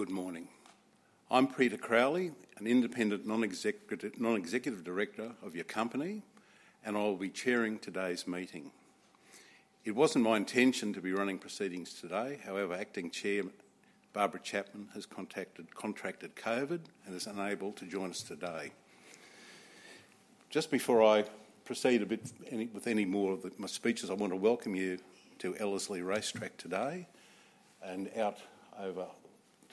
Good morning. I'm Peter Crowley, an independent non-executive director of your company, and I'll be chairing today's meeting. It wasn't my intention to be running proceedings today. However, Acting Chair Barbara Chapman has contracted COVID and is unable to join us today. Just before I proceed with any more of my speeches, I want to welcome you to Ellerslie Racetrack today, and out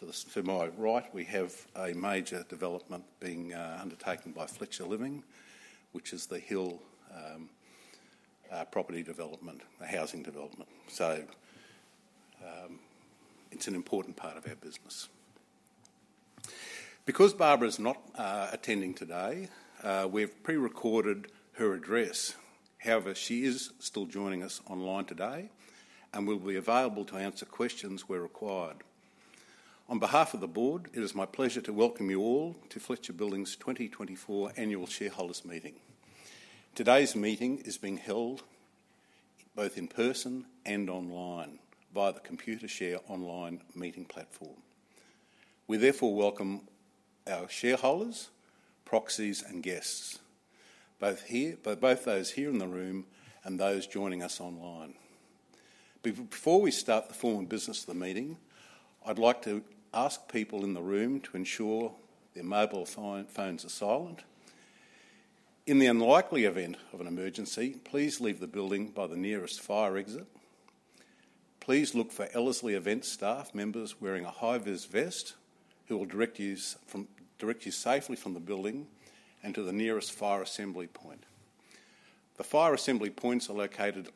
over to my right, we have a major development being undertaken by Fletcher Living, which is The Hill property development, a housing development. So, it's an important part of our business. Because Barbara is not attending today, we've pre-recorded her address. However, she is still joining us online today and will be available to answer questions where required. On behalf of the board, it is my pleasure to welcome you all to Fletcher Building's twenty twenty-four Annual Shareholders Meeting. Today's meeting is being held both in person and online via the Computershare online meeting platform. We therefore welcome our shareholders, proxies, and guests, both those here in the room and those joining us online. Before we start the formal business of the meeting, I'd like to ask people in the room to ensure their mobile phones are silent. In the unlikely event of an emergency, please leave the building by the nearest fire exit. Please look for Ellerslie event staff members wearing a high vis vest, who will direct you safely from the building and to the nearest fire assembly point. The fire assembly points are located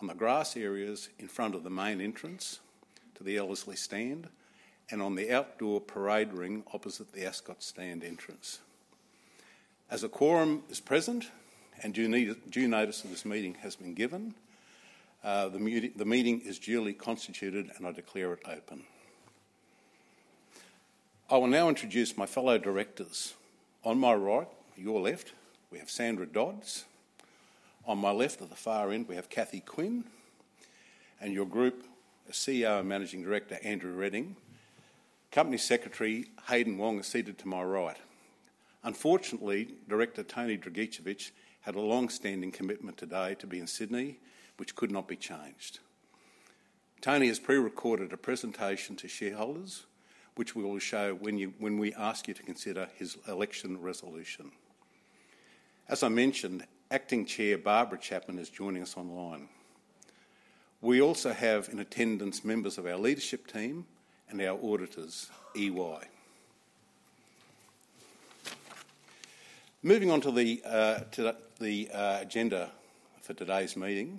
on the grass areas in front of the main entrance to the Ellerslie Stand and on the outdoor parade ring opposite the Ascot Stand entrance. As a quorum is present, and due notice of this meeting has been given, the meeting is duly constituted, and I declare it open. I will now introduce my fellow directors. On my right, your left, we have Sandra Dodds. On my left, at the far end, we have Cathy Quinn, and your Group CEO and Managing Director, Andrew Reding. Company Secretary Hayden Wong is seated to my right. Unfortunately, Director Tony Dragicevich had a long-standing commitment today to be in Sydney, which could not be changed. Tony has pre-recorded a presentation to shareholders, which we will show when we ask you to consider his election resolution. As I mentioned, Acting Chair Barbara Chapman is joining us online. We also have in attendance members of our leadership team and our auditors, EY. Moving on to the agenda for today's meeting,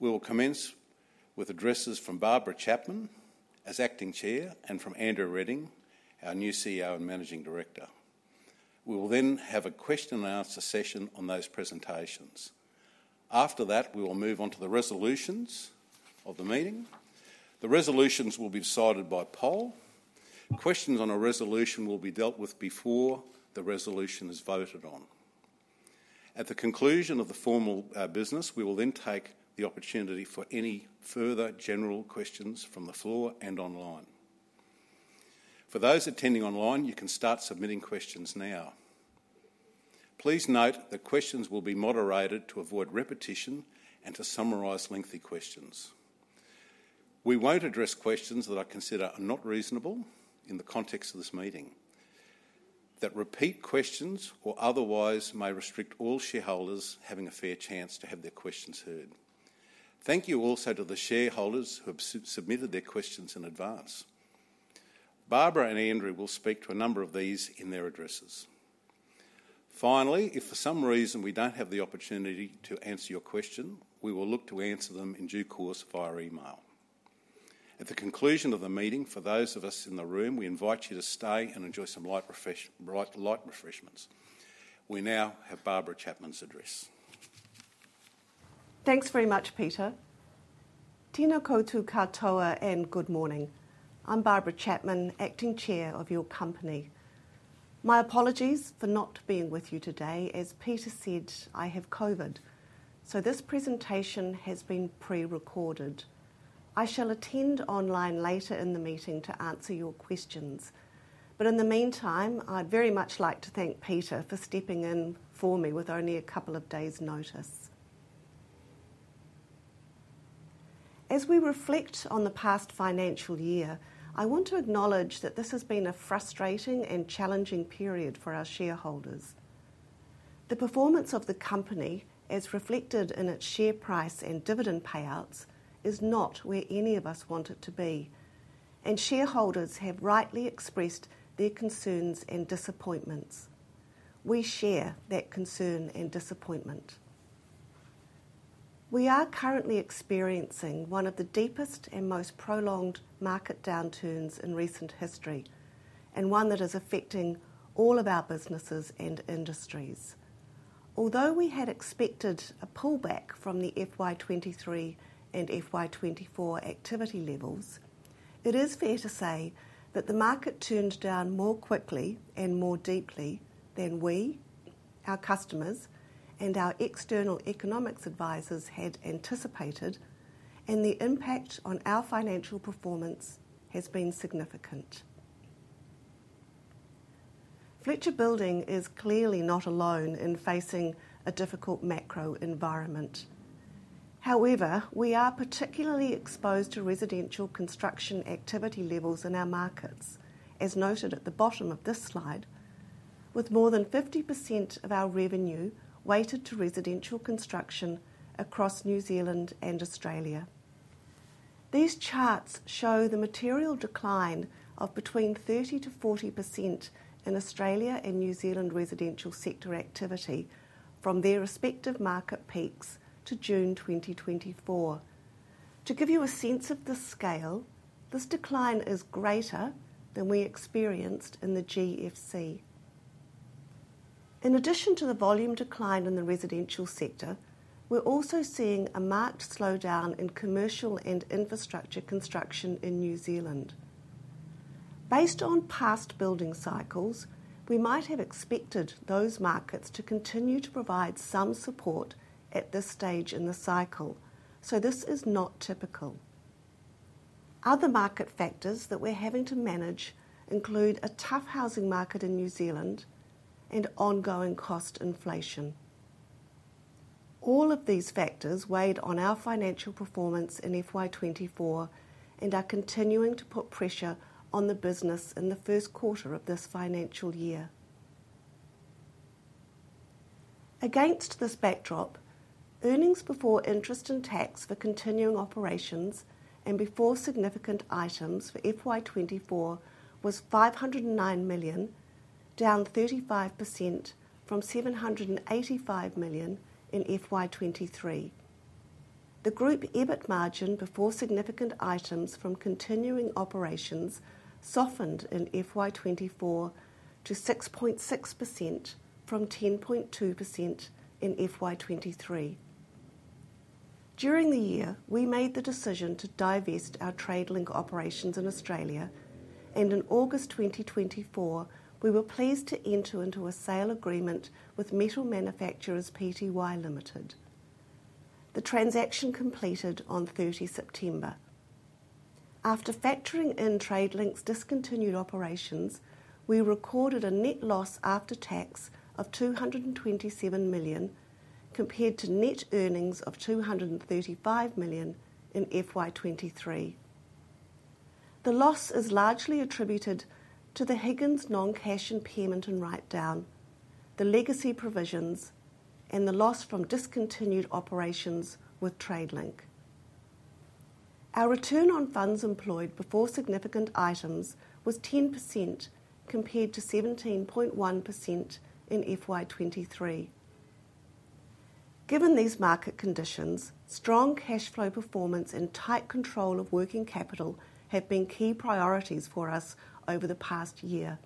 we will commence with addresses from Barbara Chapman as Acting Chair and from Andrew Reding, our new CEO and Managing Director. We will then have a question and answer session on those presentations. After that, we will move on to the resolutions of the meeting. The resolutions will be decided by poll. Questions on a resolution will be dealt with before the resolution is voted on. At the conclusion of the formal business, we will then take the opportunity for any further general questions from the floor and online. For those attending online, you can start submitting questions now. Please note that questions will be moderated to avoid repetition and to summarize lengthy questions. We won't address questions that I consider are not reasonable in the context of this meeting, that repeat questions or otherwise may restrict all shareholders having a fair chance to have their questions heard. Thank you also to the shareholders who have submitted their questions in advance. Barbara and Andrew will speak to a number of these in their addresses. Finally, if for some reason we don't have the opportunity to answer your question, we will look to answer them in due course via email. At the conclusion of the meeting, for those of us in the room, we invite you to stay and enjoy some light refreshments. We now have Barbara Chapman's address. Thanks very much, Peter. Tena koutou katoa, and good morning. I'm Barbara Chapman, Acting Chair of your company. My apologies for not being with you today. As Peter said, I have COVID, so this presentation has been pre-recorded. I shall attend online later in the meeting to answer your questions. But in the meantime, I'd very much like to thank Peter for stepping in for me with only a couple of days' notice. As we reflect on the past financial year, I want to acknowledge that this has been a frustrating and challenging period for our shareholders. The performance of the company, as reflected in its share price and dividend payouts, is not where any of us want it to be, and shareholders have rightly expressed their concerns and disappointments. We share that concern and disappointment. We are currently experiencing one of the deepest and most prolonged market downturns in recent history, and one that is affecting all of our businesses and industries. Although we had expected a pullback from the FY 2023 and FY 2024 activity levels, it is fair to say that the market turned down more quickly and more deeply than we, our customers, and our external economists advisors had anticipated, and the impact on our financial performance has been significant. Fletcher Building is clearly not alone in facing a difficult macro environment. However, we are particularly exposed to residential construction activity levels in our markets, as noted at the bottom of this slide, with more than 50% of our revenue weighted to residential construction across New Zealand and Australia. These charts show the material decline of between 30% to 40% in Australia and New Zealand residential sector activity from their respective market peaks to June 2024. To give you a sense of the scale, this decline is greater than we experienced in the GFC. In addition to the volume decline in the residential sector, we're also seeing a marked slowdown in commercial and infrastructure construction in New Zealand. Based on past building cycles, we might have expected those markets to continue to provide some support at this stage in the cycle, so this is not typical. Other market factors that we're having to manage include a tough housing market in New Zealand and ongoing cost inflation. All of these factors weighed on our financial performance in FY 2024 and are continuing to put pressure on the business in the first quarter of this financial year. Against this backdrop, earnings before interest and tax for continuing operations and before significant items for FY 2024 was 509 million, down 35% from 785 million in FY 2023. The group EBIT margin before significant items from continuing operations softened in FY 2024 to 6.6% from 10.2% in FY 2023. During the year, we made the decision to divest our Tradelink operations in Australia, and in August 2024, we were pleased to enter into a sale agreement with Metal Manufactures Limited. The transaction completed on 30 September. After factoring in Tradelink's discontinued operations, we recorded a net loss after tax of 227 million, compared to net earnings of 235 million in FY 2023. The loss is largely attributed to the Higgins non-cash impairment and write-down, the legacy provisions, and the loss from discontinued operations with Tradelink. Our return on funds employed before significant items was 10%, compared to 17.1% in FY 2023. Given these market conditions, strong cash flow performance and tight control of working capital have been key priorities for us over the past year.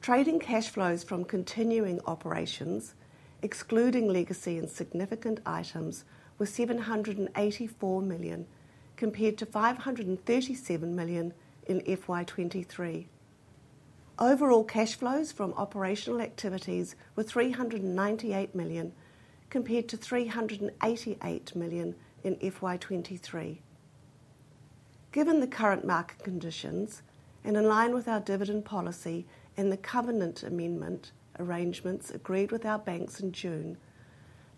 Trading cash flows from continuing operations, excluding legacy and significant items, were 784 million, compared to 537 million in FY 2023. Overall cash flows from operational activities were 398 million, compared to 388 million in FY 2023. Given the current market conditions, and in line with our dividend policy and the covenant amendment arrangements agreed with our banks in June,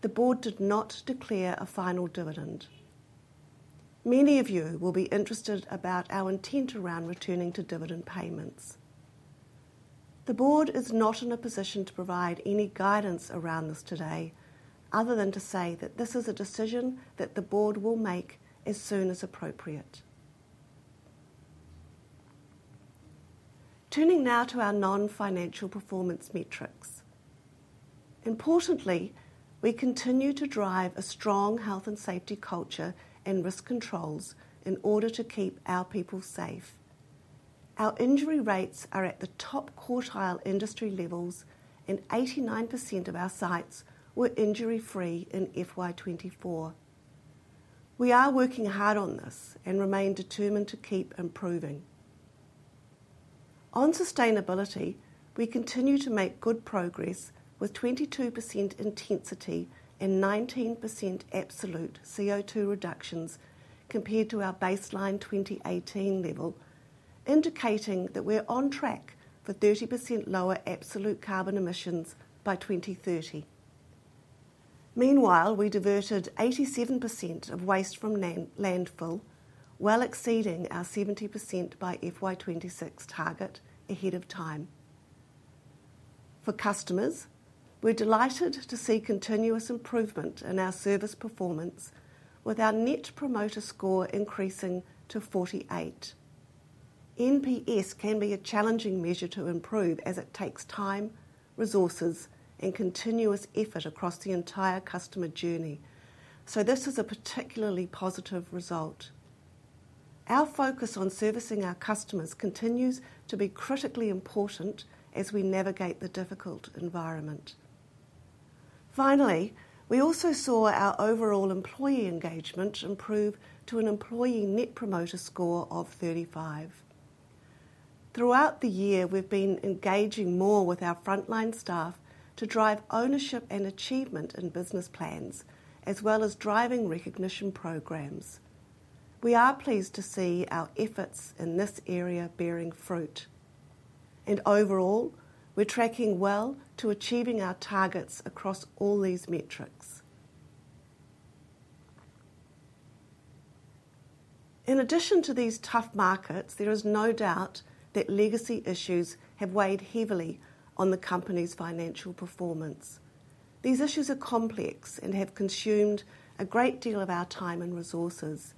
the board did not declare a final dividend. Many of you will be interested about our intent around returning to dividend payments. The board is not in a position to provide any guidance around this today, other than to say that this is a decision that the board will make as soon as appropriate. Turning now to our non-financial performance metrics. Importantly, we continue to drive a strong health and safety culture and risk controls in order to keep our people safe. Our injury rates are at the top quartile industry levels, and 89% of our sites were injury-free in FY24. We are working hard on this and remain determined to keep improving. On sustainability, we continue to make good progress, with 22% intensity and 19% absolute CO2 reductions compared to our baseline 2018 level, indicating that we're on track for 30% lower absolute carbon emissions by 2030. Meanwhile, we diverted 87% of waste from landfill, well exceeding our 70% by FY 2026 target ahead of time. For customers, we're delighted to see continuous improvement in our service performance, with our net promoter score increasing to 48. NPS can be a challenging measure to improve as it takes time, resources, and continuous effort across the entire customer journey, so this is a particularly positive result. Our focus on servicing our customers continues to be critically important as we navigate the difficult environment. Finally, we also saw our overall employee engagement improve to an employee net promoter score of 35. Throughout the year, we've been engaging more with our frontline staff to drive ownership and achievement in business plans, as well as driving recognition programs. We are pleased to see our efforts in this area bearing fruit. And overall, we're tracking well to achieving our targets across all these metrics. In addition to these tough markets, there is no doubt that legacy issues have weighed heavily on the company's financial performance. These issues are complex and have consumed a great deal of our time and resources.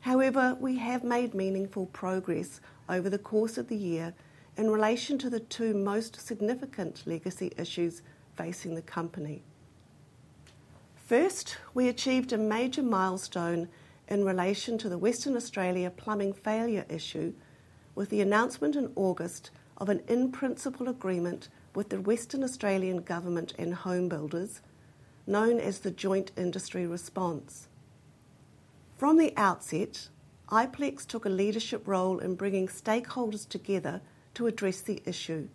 However, we have made meaningful progress over the course of the year in relation to the two most significant legacy issues facing the company. First, we achieved a major milestone in relation to the Western Australia plumbing failure issue with the announcement in August of an in-principle agreement with the Western Australian Government and Home Builders, known as the Joint Industry Response. From the outset, Iplex took a leadership role in bringing stakeholders together to address the issue.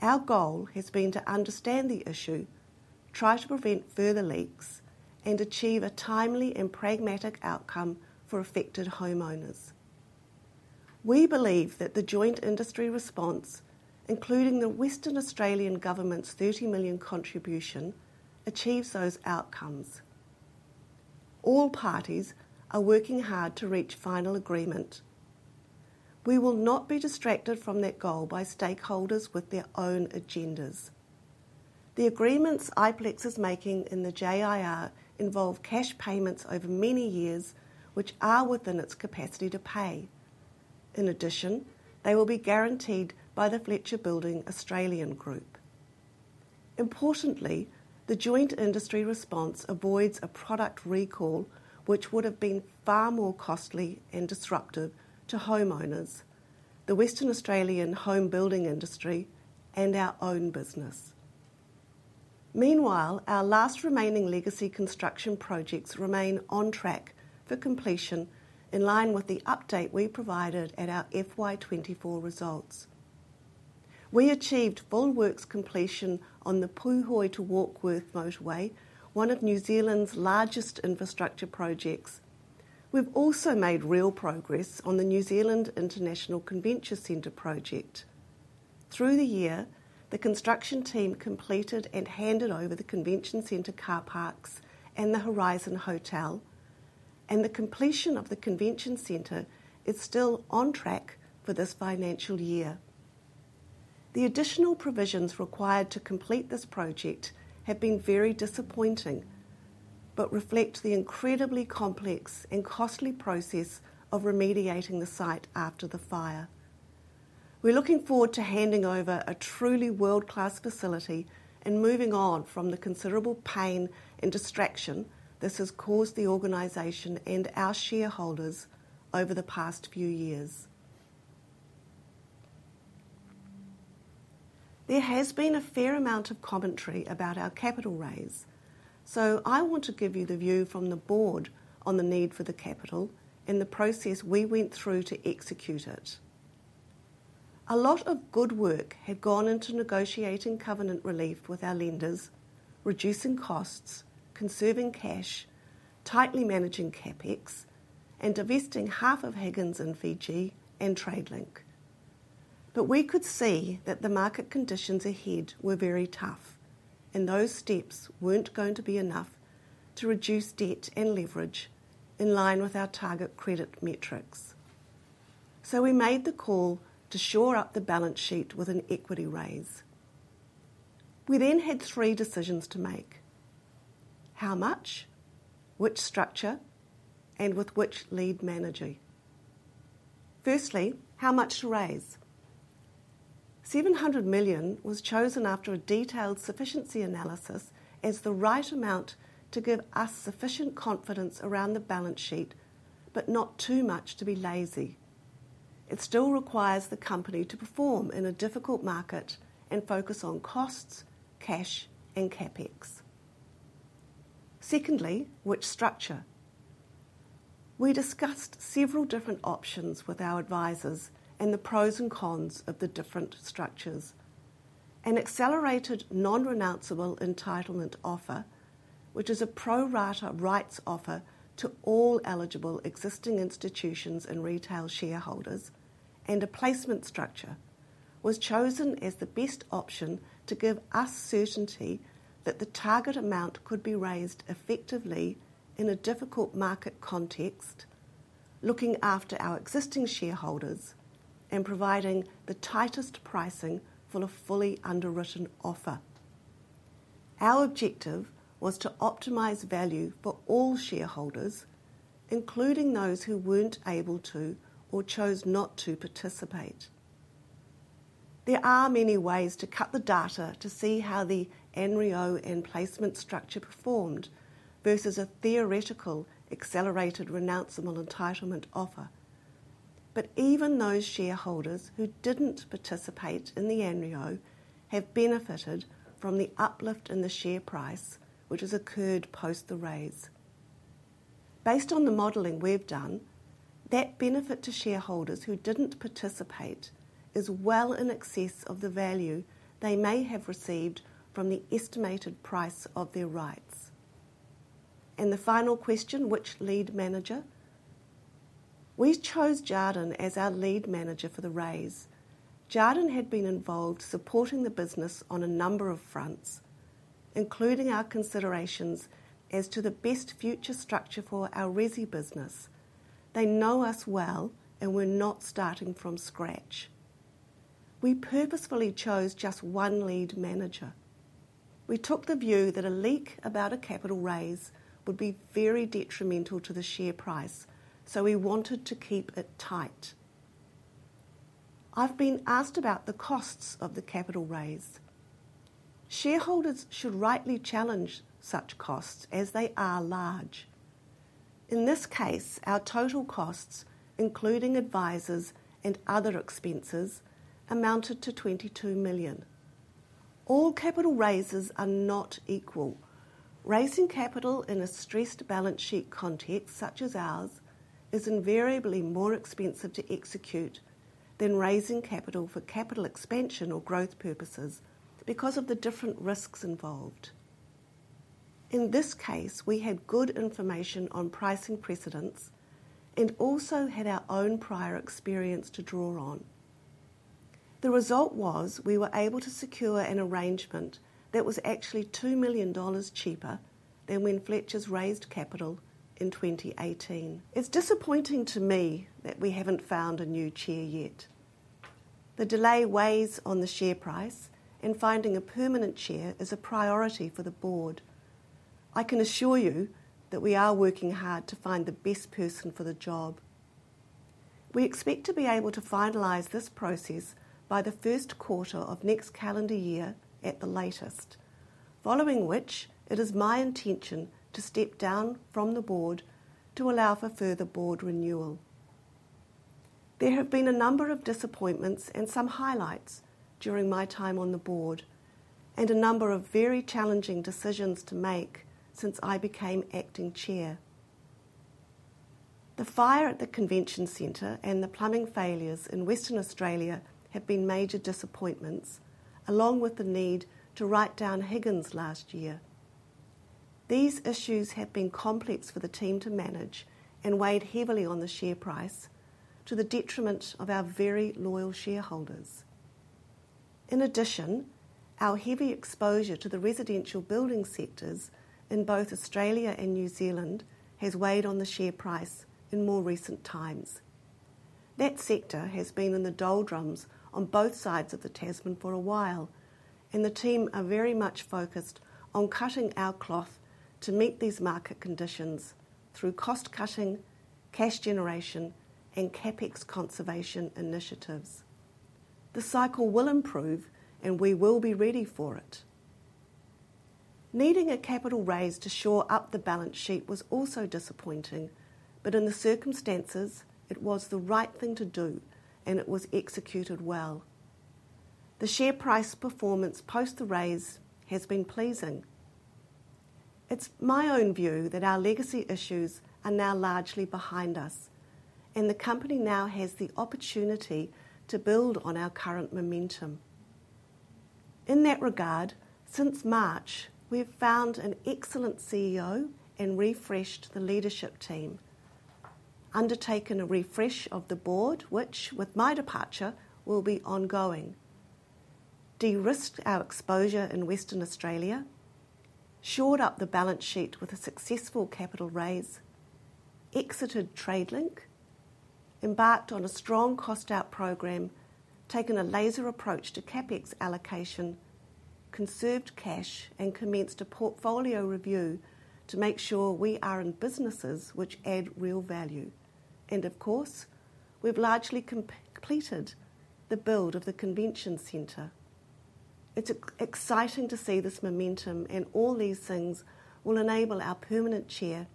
Our goal has been to understand the issue, try to prevent further leaks, and achieve a timely and pragmatic outcome for affected homeowners. We believe that the Joint Industry Response, including the Western Australian Government's 30 million contribution, achieves those outcomes. All parties are working hard to reach final agreement. We will not be distracted from that goal by stakeholders with their own agendas. The agreements Iplex is making in the JIR involve cash payments over many years, which are within its capacity to pay. In addition, they will be guaranteed by the Fletcher Building Australian Group. Importantly, the Joint Industry Response avoids a product recall, which would have been far more costly and disruptive to homeowners, the Western Australian home building industry, and our own business. Meanwhile, our last remaining legacy construction projects remain on track for completion, in line with the update we provided at our FY 2024 results. We achieved full works completion on the Puhoi to Warkworth motorway, one of New Zealand's largest infrastructure projects. We've also made real progress on the New Zealand International Convention Centre project. Through the year, the construction team completed and handed over the convention centre car parks and the Horizon Hotel, and the completion of the convention centre is still on track for this financial year. The additional provisions required to complete this project have been very disappointing, but reflect the incredibly complex and costly process of remediating the site after the fire. We're looking forward to handing over a truly world-class facility and moving on from the considerable pain and distraction this has caused the organization and our shareholders over the past few years. There has been a fair amount of commentary about our capital raise, so I want to give you the view from the board on the need for the capital and the process we went through to execute it. A lot of good work had gone into negotiating covenant relief with our lenders, reducing costs, conserving cash, tightly managing CapEx, and divesting half of Higgins in Fiji and Tradelink. But we could see that the market conditions ahead were very tough, and those steps weren't going to be enough to reduce debt and leverage in line with our target credit metrics. So we made the call to shore up the balance sheet with an equity raise. We then had three decisions to make: how much, which structure, and with which lead manager. Firstly, how much to raise? 700 million was chosen after a detailed sufficiency analysis as the right amount to give us sufficient confidence around the balance sheet, but not too much to be lazy. It still requires the company to perform in a difficult market and focus on costs, cash, and CapEx. Secondly, which structure? We discussed several different options with our advisors and the pros and cons of the different structures. An accelerated non-renounceable entitlement offer, which is a pro rata rights offer to all eligible existing institutions and retail shareholders, and a placement structure, was chosen as the best option to give us certainty that the target amount could be raised effectively in a difficult market context, looking after our existing shareholders and providing the tightest pricing for a fully underwritten offer. Our objective was to optimize value for all shareholders, including those who weren't able to or chose not to participate. There are many ways to cut the data to see how the NREO and placement structure performed versus a theoretical accelerated renounceable entitlement offer. But even those shareholders who didn't participate in the NREO have benefited from the uplift in the share price, which has occurred post the raise. Based on the modeling we've done, that benefit to shareholders who didn't participate is well in excess of the value they may have received from the estimated price of their rights, and the final question: Which lead manager? We chose Jarden as our lead manager for the raise. Jarden had been involved supporting the business on a number of fronts, including our considerations as to the best future structure for our resi business. They know us well, and we're not starting from scratch. We purposefully chose just one lead manager. We took the view that a leak about a capital raise would be very detrimental to the share price, so we wanted to keep it tight. I've been asked about the costs of the capital raise. Shareholders should rightly challenge such costs, as they are large. In this case, our total costs, including advisors and other expenses, amounted to 22 million. All capital raises are not equal. Raising capital in a stressed balance sheet context, such as ours, is invariably more expensive to execute than raising capital for capital expansion or growth purposes because of the different risks involved. In this case, we had good information on pricing precedents and also had our own prior experience to draw on. The result was we were able to secure an arrangement that was actually 2 million dollars cheaper than when Fletchers raised capital in 2018. It's disappointing to me that we haven't found a new chair yet. The delay weighs on the share price, and finding a permanent chair is a priority for the board. I can assure you that we are working hard to find the best person for the job. We expect to be able to finalize this process by the first quarter of next calendar year at the latest, following which it is my intention to step down from the board to allow for further board renewal. There have been a number of disappointments and some highlights during my time on the board, and a number of very challenging decisions to make since I became acting chair. The fire at the convention center and the plumbing failures in Western Australia have been major disappointments, along with the need to write down Higgins last year. These issues have been complex for the team to manage and weighed heavily on the share price to the detriment of our very loyal shareholders. In addition, our heavy exposure to the residential building sectors in both Australia and New Zealand has weighed on the share price in more recent times. That sector has been in the doldrums on both sides of the Tasman for a while, and the team are very much focused on cutting our cloth to meet these market conditions through cost-cutting, cash generation, and CapEx conservation initiatives. The cycle will improve, and we will be ready for it. Needing a capital raise to shore up the balance sheet was also disappointing, but in the circumstances, it was the right thing to do, and it was executed well. The share price performance post the raise has been pleasing. It's my own view that our legacy issues are now largely behind us, and the company now has the opportunity to build on our current momentum. In that regard, since March, we've found an excellent CEO and refreshed the leadership team, undertaken a refresh of the board, which, with my departure, will be ongoing. De-risked our exposure in Western Australia, shored up the balance sheet with a successful capital raise, exited Tradelink, embarked on a strong cost-out program, taken a laser approach to CapEx allocation, conserved cash, and commenced a portfolio review to make sure we are in businesses which add real value. Of course, we've largely completed the build of the convention center. It's exciting to see this momentum, and all these things will enable our permanent chair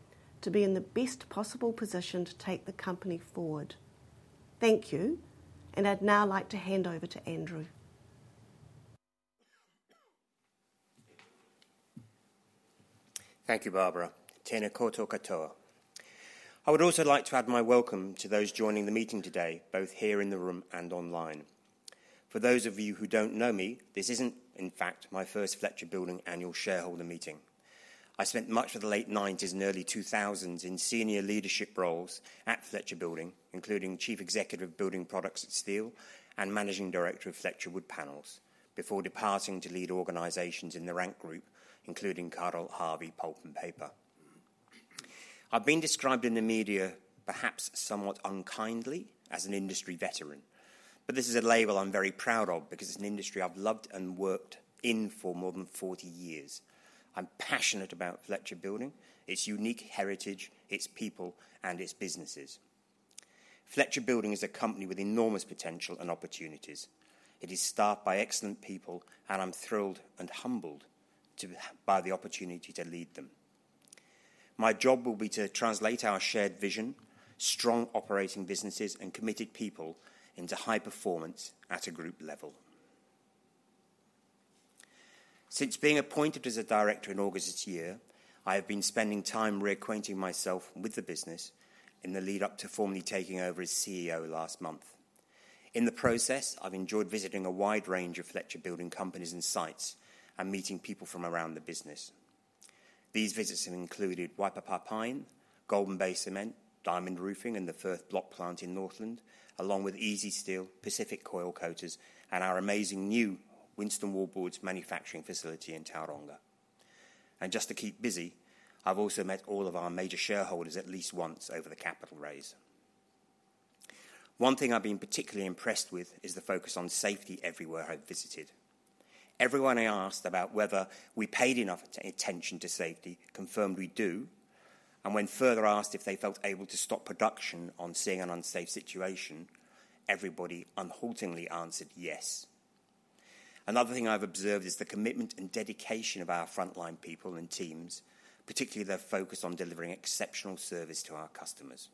to be in the best possible position to take the company forward. Thank you, and I'd now like to hand over to Andrew. Thank you, Barbara. Tēnā koutou katoa. I would also like to add my welcome to those joining the meeting today, both here in the room and online. For those of you who don't know me, this isn't, in fact, my first Fletcher Building annual shareholder meeting. I spent much of the late nineties and early two thousands in senior leadership roles at Fletcher Building, including Chief Executive of Building Products and Steel and Managing Director of Fletcher Wood Panels, before departing to lead organizations in the Rank Group, including Carter Holt Harvey Pulp and Paper. I've been described in the media, perhaps somewhat unkindly, as an industry veteran, but this is a label I'm very proud of because it's an industry I've loved and worked in for more than forty years. I'm passionate about Fletcher Building, its unique heritage, its people, and its businesses. Fletcher Building is a company with enormous potential and opportunities. It is staffed by excellent people, and I'm thrilled and humbled by the opportunity to lead them. My job will be to translate our shared vision, strong operating businesses, and committed people into high performance at a group level. Since being appointed as a director in August this year, I have been spending time reacquainting myself with the business in the lead up to formally taking over as CEO last month. In the process, I've enjoyed visiting a wide range of Fletcher Building companies and sites, and meeting people from around the business. These visits have included Waipapa Pine, Golden Bay Cement, Dimond Roofing, and the Firth Block Plant in Northland, along with Easysteel, Pacific Coilcoaters, and our amazing new Winstone Wallboards manufacturing facility in Tauranga. And just to keep busy, I've also met all of our major shareholders at least once over the capital raise. One thing I've been particularly impressed with is the focus on safety everywhere I've visited. Everyone I asked about whether we paid enough attention to safety confirmed we do, and when further asked if they felt able to stop production on seeing an unsafe situation, everybody unhaltingly answered yes. Another thing I've observed is the commitment and dedication of our frontline people and teams, particularly their focus on delivering exceptional service to our customers.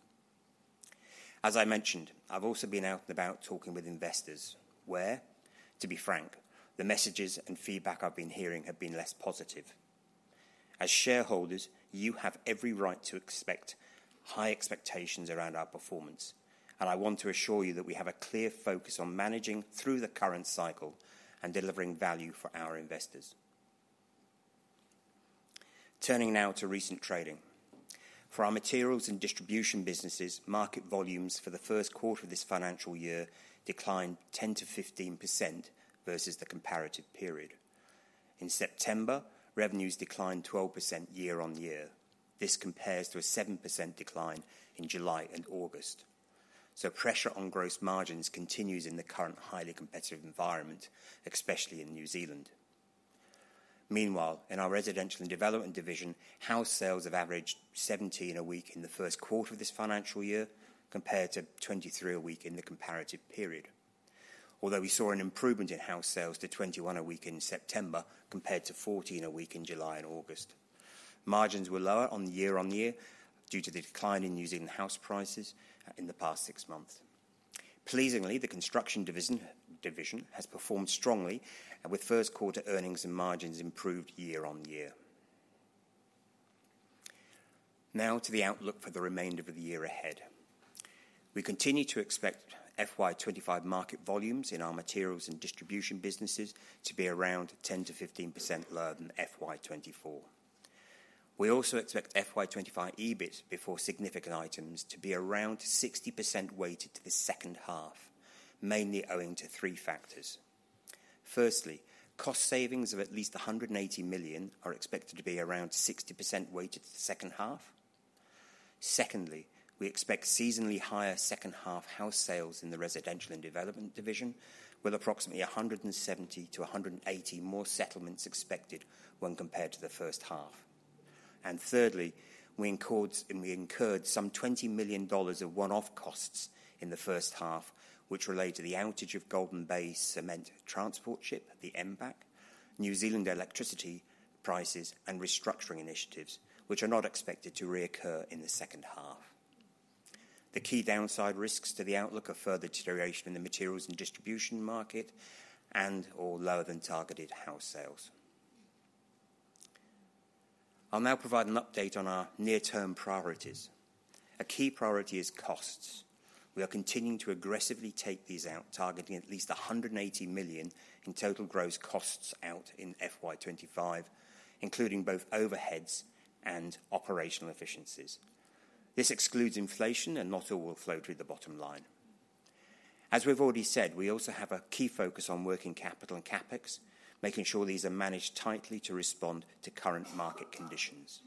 As I mentioned, I've also been out and about talking with investors, where, to be frank, the messages and feedback I've been hearing have been less positive. As shareholders, you have every right to expect high expectations around our performance, and I want to assure you that we have a clear focus on managing through the current cycle and delivering value for our investors. Turning now to recent trading. For our materials and distribution businesses, market volumes for the first quarter of this financial year declined 10%-15% versus the comparative period. In September, revenues declined 12% year on year. This compares to a 7% decline in July and August. So pressure on gross margins continues in the current highly competitive environment, especially in New Zealand. Meanwhile, in our residential and development division, house sales have averaged 70 in a week in the first quarter of this financial year, compared to 23 a week in the comparative period. Although we saw an improvement in house sales to 21 a week in September, compared to 14 a week in July and August. Margins were lower on the year-on-year due to the decline in New Zealand house prices in the past six months. Pleasingly, the construction division has performed strongly, with first quarter earnings and margins improved year-on-year. Now to the outlook for the remainder of the year ahead. We continue to expect FY 2025 market volumes in our materials and distribution businesses to be around 10-15% lower than FY 2024. We also expect FY 2025 EBIT before significant items to be around 60% weighted to the second half, mainly owing to three factors: firstly, cost savings of at least 180 million are expected to be around 60% weighted to the second half. Secondly, we expect seasonally higher second half house sales in the residential and development division, with approximately 170-180 more settlements expected when compared to the first half. Thirdly, we incurred some 20 million dollars of one-off costs in the first half, which relate to the outage of Golden Bay Cement transport ship, the MVAC, New Zealand electricity prices, and restructuring initiatives, which are not expected to reoccur in the second half. The key downside risks to the outlook are further deterioration in the materials and distribution market and/or lower than targeted house sales. I'll now provide an update on our near-term priorities. A key priority is costs. We are continuing to aggressively take these out, targeting at least 180 million in total gross costs out in FY 2025, including both overheads and operational efficiencies. This excludes inflation, and not all will flow through the bottom line. As we've already said, we also have a key focus on working capital and CapEx, making sure these are managed tightly to respond to current market conditions,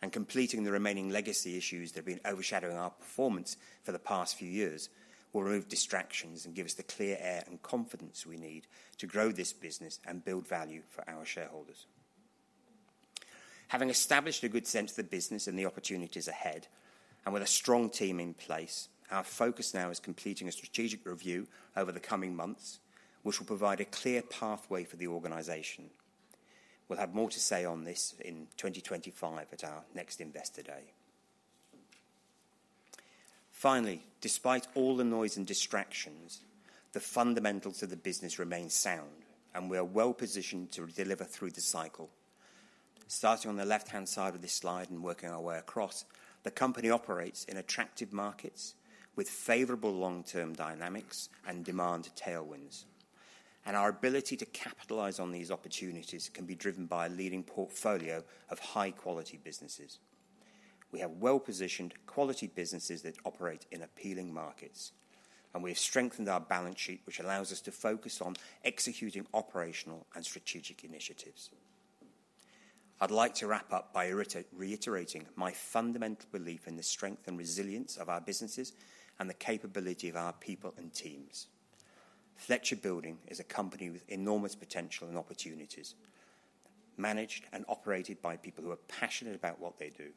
and completing the remaining legacy issues that have been overshadowing our performance for the past few years will remove distractions and give us the clear air and confidence we need to grow this business and build value for our shareholders. Having established a good sense of the business and the opportunities ahead, and with a strong team in place, our focus now is completing a strategic review over the coming months, which will provide a clear pathway for the organization. We'll have more to say on this in twenty twenty-five at our next Investor Day. Finally, despite all the noise and distractions, the fundamentals of the business remain sound, and we are well positioned to deliver through the cycle. Starting on the left-hand side of this slide and working our way across, the company operates in attractive markets with favorable long-term dynamics and demand tailwinds, and our ability to capitalize on these opportunities can be driven by a leading portfolio of high-quality businesses. We have well-positioned quality businesses that operate in appealing markets, and we have strengthened our balance sheet, which allows us to focus on executing operational and strategic initiatives. I'd like to wrap up by reiterating my fundamental belief in the strength and resilience of our businesses and the capability of our people and teams. Fletcher Building is a company with enormous potential and opportunities, managed and operated by people who are passionate about what they do.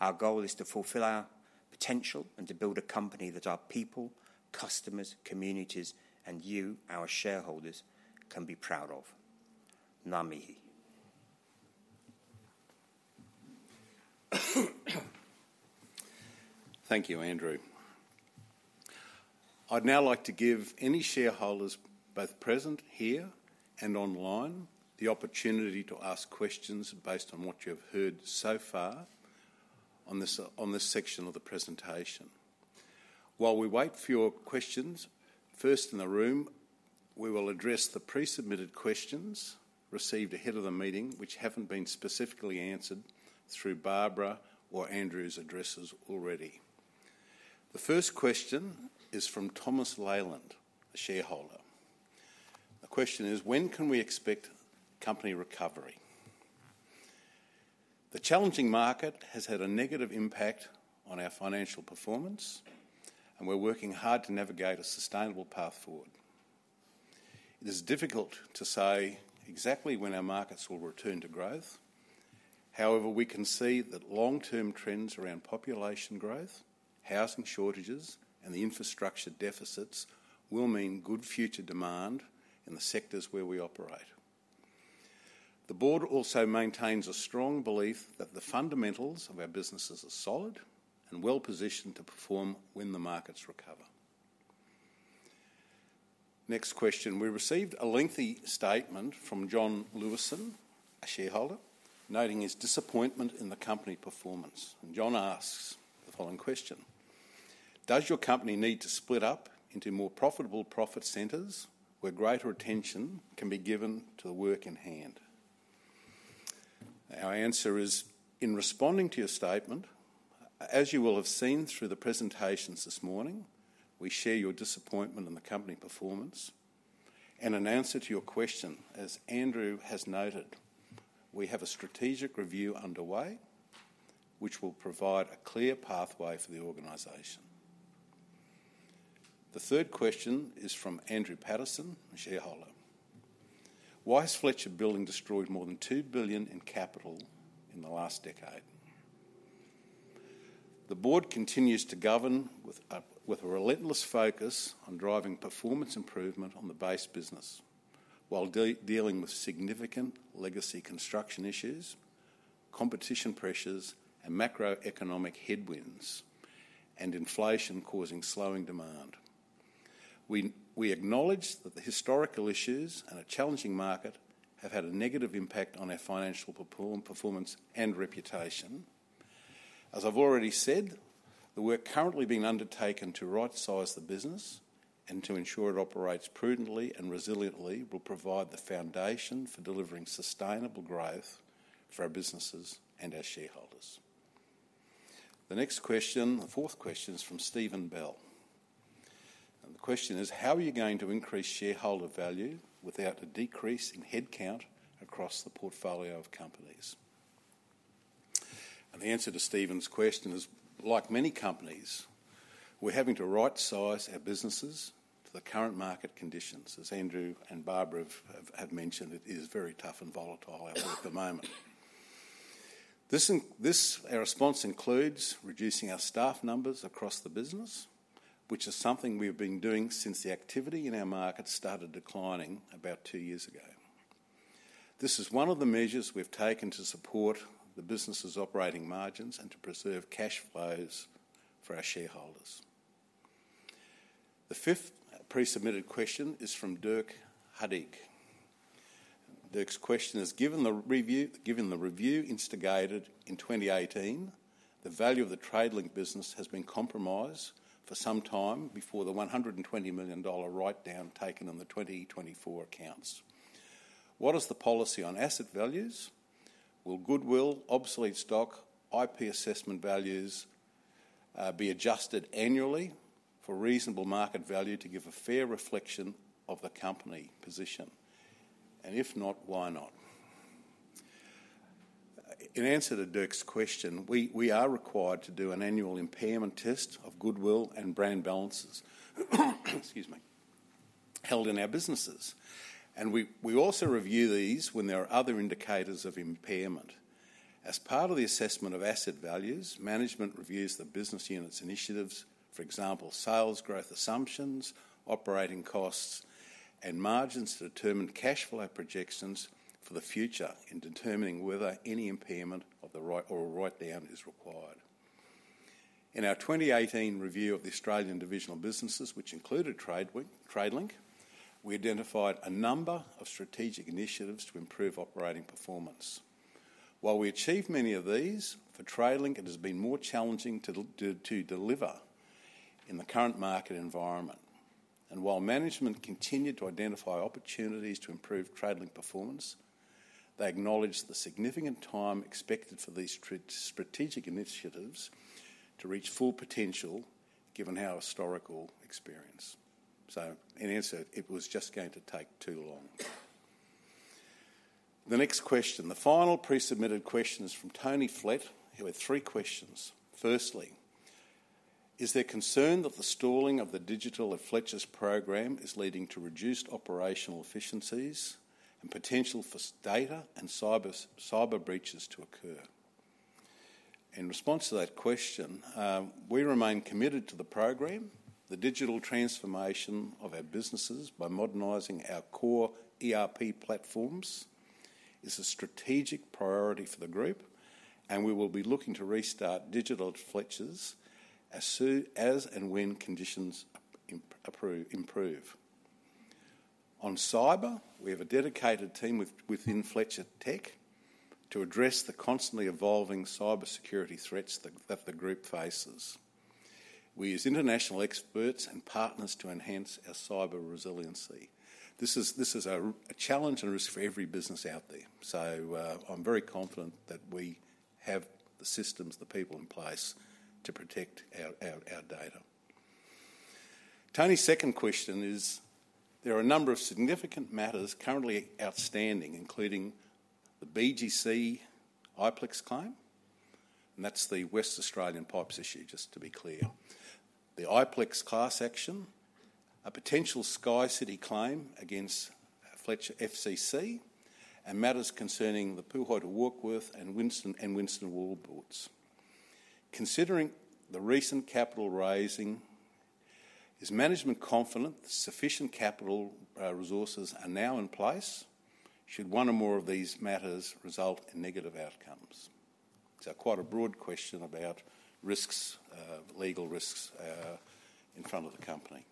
Our goal is to fulfill our potential and to build a company that our people, customers, communities, and you, our shareholders, can be proud of. Ngā mihi. .Thank you, Andrew. I'd now like to give any shareholders, both present here and online, the opportunity to ask questions based on what you've heard so far on this section of the presentation. While we wait for your questions, first in the room, we will address the pre-submitted questions received ahead of the meeting, which haven't been specifically answered through Barbara or Andrew's addresses already. The first question is from Thomas Leyland, a shareholder. The question is: "When can we expect company recovery?" The challenging market has had a negative impact on our financial performance, and we're working hard to navigate a sustainable path forward. It is difficult to say exactly when our markets will return to growth. However, we can see that long-term trends around population growth, housing shortages, and the infrastructure deficits will mean good future demand in the sectors where we operate. The board also maintains a strong belief that the fundamentals of our businesses are solid and well-positioned to perform when the markets recover. Next question. We received a lengthy statement from John Louisson, a shareholder, noting his disappointment in the company performance, and John asks the following question: "Does your company need to split up into more profitable profit centers, where greater attention can be given to the work in hand?" Our answer is, in responding to your statement, as you will have seen through the presentations this morning, we share your disappointment in the company performance, and in answer to your question, as Andrew has noted, we have a strategic review underway which will provide a clear pathway for the organization. The third question is from Andrew Patterson, a shareholder: "Why has Fletcher Building destroyed more than two billion in capital in the last decade?" The board continues to govern with a relentless focus on driving performance improvement on the base business, while dealing with significant legacy construction issues, competition pressures, and macroeconomic headwinds and inflation causing slowing demand. We acknowledge that the historical issues and a challenging market have had a negative impact on our financial performance and reputation. As I've already said, the work currently being undertaken to rightsize the business and to ensure it operates prudently and resiliently will provide the foundation for delivering sustainable growth for our businesses and our shareholders. The next question, the fourth question, is from Steven Bell, and the question is: "How are you going to increase shareholder value without a decrease in headcount across the portfolio of companies?" And the answer to Steven's question is, like many companies, we're having to rightsize our businesses to the current market conditions. As Andrew and Barbara have mentioned, it is very tough and volatile out there at the moment. This, our response includes reducing our staff numbers across the business, which is something we've been doing since the activity in our market started declining about two years ago. This is one of the measures we've taken to support the business's operating margins and to preserve cash flows for our shareholders. The fifth pre-submitted question is from Dirk Hudig. Dirk's question is: "Given the review, given the review instigated in 2018, the value of the Tradelink business has been compromised for some time before the 120 million dollar write-down taken on the 2024 accounts. What is the policy on asset values? Will goodwill, obsolete stock, IP assessment values, be adjusted annually for reasonable market value to give a fair reflection of the company position? And if not, why not?" In answer to Dirk's question, we are required to do an annual impairment test of goodwill and brand balances, excuse me, held in our businesses. And we also review these when there are other indicators of impairment. As part of the assessment of asset values, management reviews the business units' initiatives, for example, sales growth assumptions, operating costs, and margins to determine cash flow projections for the future in determining whether any impairment of the write or a write-down is required. In our 2018 review of the Australian divisional businesses, which included Tradelink, we identified a number of strategic initiatives to improve operating performance. While we achieved many of these, for Tradelink, it has been more challenging to deliver in the current market environment. While management continued to identify opportunities to improve Tradelink performance, they acknowledged the significant time expected for these strategic initiatives to reach full potential, given our historical experience. In answer, it was just going to take too long. The next question, the final pre-submitted question, is from Tony Flett, who had three questions. Firstly: "Is there concern that the stalling of the Digital at Fletcher's program is leading to reduced operational efficiencies and potential for sensitive data and cyber security breaches to occur?" In response to that question, we remain committed to the program, the digital transformation of our businesses, by modernizing our core ERP platforms. This is a strategic priority for the group, and we will be looking to restart Digital Fletchers as soon as and when conditions improve. On cyber, we have a dedicated team within Fletcher Tech to address the constantly evolving cybersecurity threats that the group faces. We use international experts and partners to enhance our cyber resiliency. This is a challenge and a risk for every business out there. So, I'm very confident that we have the systems, the people in place to protect our data. Tony's second question is, there are a number of significant matters currently outstanding, including the BGC Iplex claim, and that's the West Australian pipes issue, just to be clear. The Iplex class action, a potential SkyCity claim against Fletcher Construction, and matters concerning the Puhoi to Warkworth and Winstone Wallboards. Considering the recent capital raising, is management confident sufficient capital resources are now in place, should one or more of these matters result in negative outcomes? It's quite a broad question about risks, legal risks in front of the company.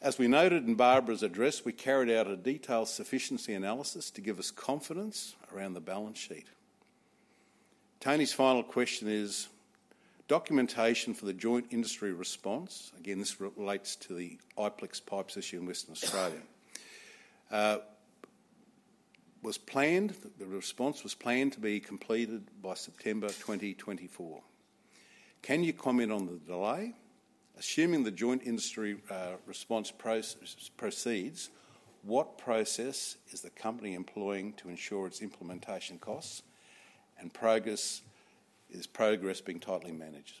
As we noted in Barbara's address, we carried out a detailed sufficiency analysis to give us confidence around the balance sheet. Tony's final question is, documentation for the joint industry response, again, this relates to the Iplex pipes issue in Western Australia. Was planned, the response was planned to be completed by September twenty twenty-four. Can you comment on the delay? Assuming the joint industry response process proceeds, what process is the company employing to ensure its implementation costs and progress is being tightly managed?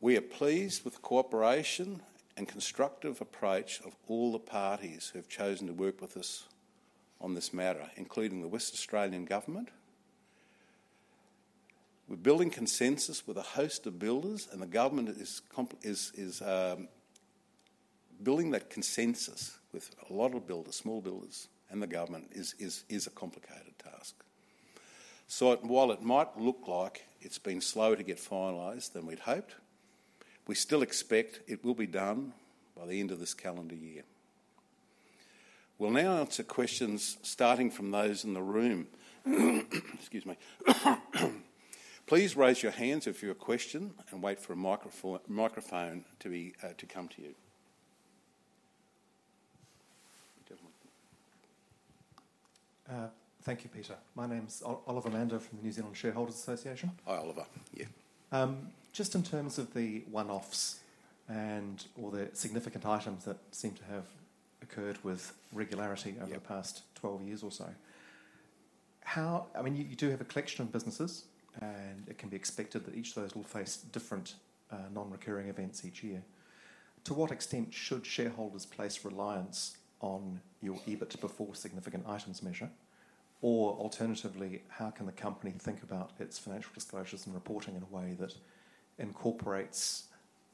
We are pleased with the cooperation and constructive approach of all the parties who have chosen to work with us on this matter, including the Western Australian government. We're building consensus with a host of builders, and the government is building that consensus with a lot of builders, small builders, and the government is a complicated task. So while it might look like it's been slower to get finalized than we'd hoped, we still expect it will be done by the end of this calendar year. We'll now answer questions, starting from those in the room. Excuse me. Please raise your hands if you have a question, and wait for a microphone to come to you. Gentlemen. Thank you, Peter. My name is Oliver Mander from the New Zealand Shareholders Association. Hi, Oliver. Yeah. Just in terms of the one-offs and all the significant items that seem to have occurred with regularity- Yeah... over the past twelve years or so, how I mean, you, you do have a collection of businesses, and it can be expected that each of those will face different non-recurring events each year. To what extent should shareholders place reliance on your EBIT before significant items measure? Or alternatively, how can the company think about its financial disclosures and reporting in a way that incorporates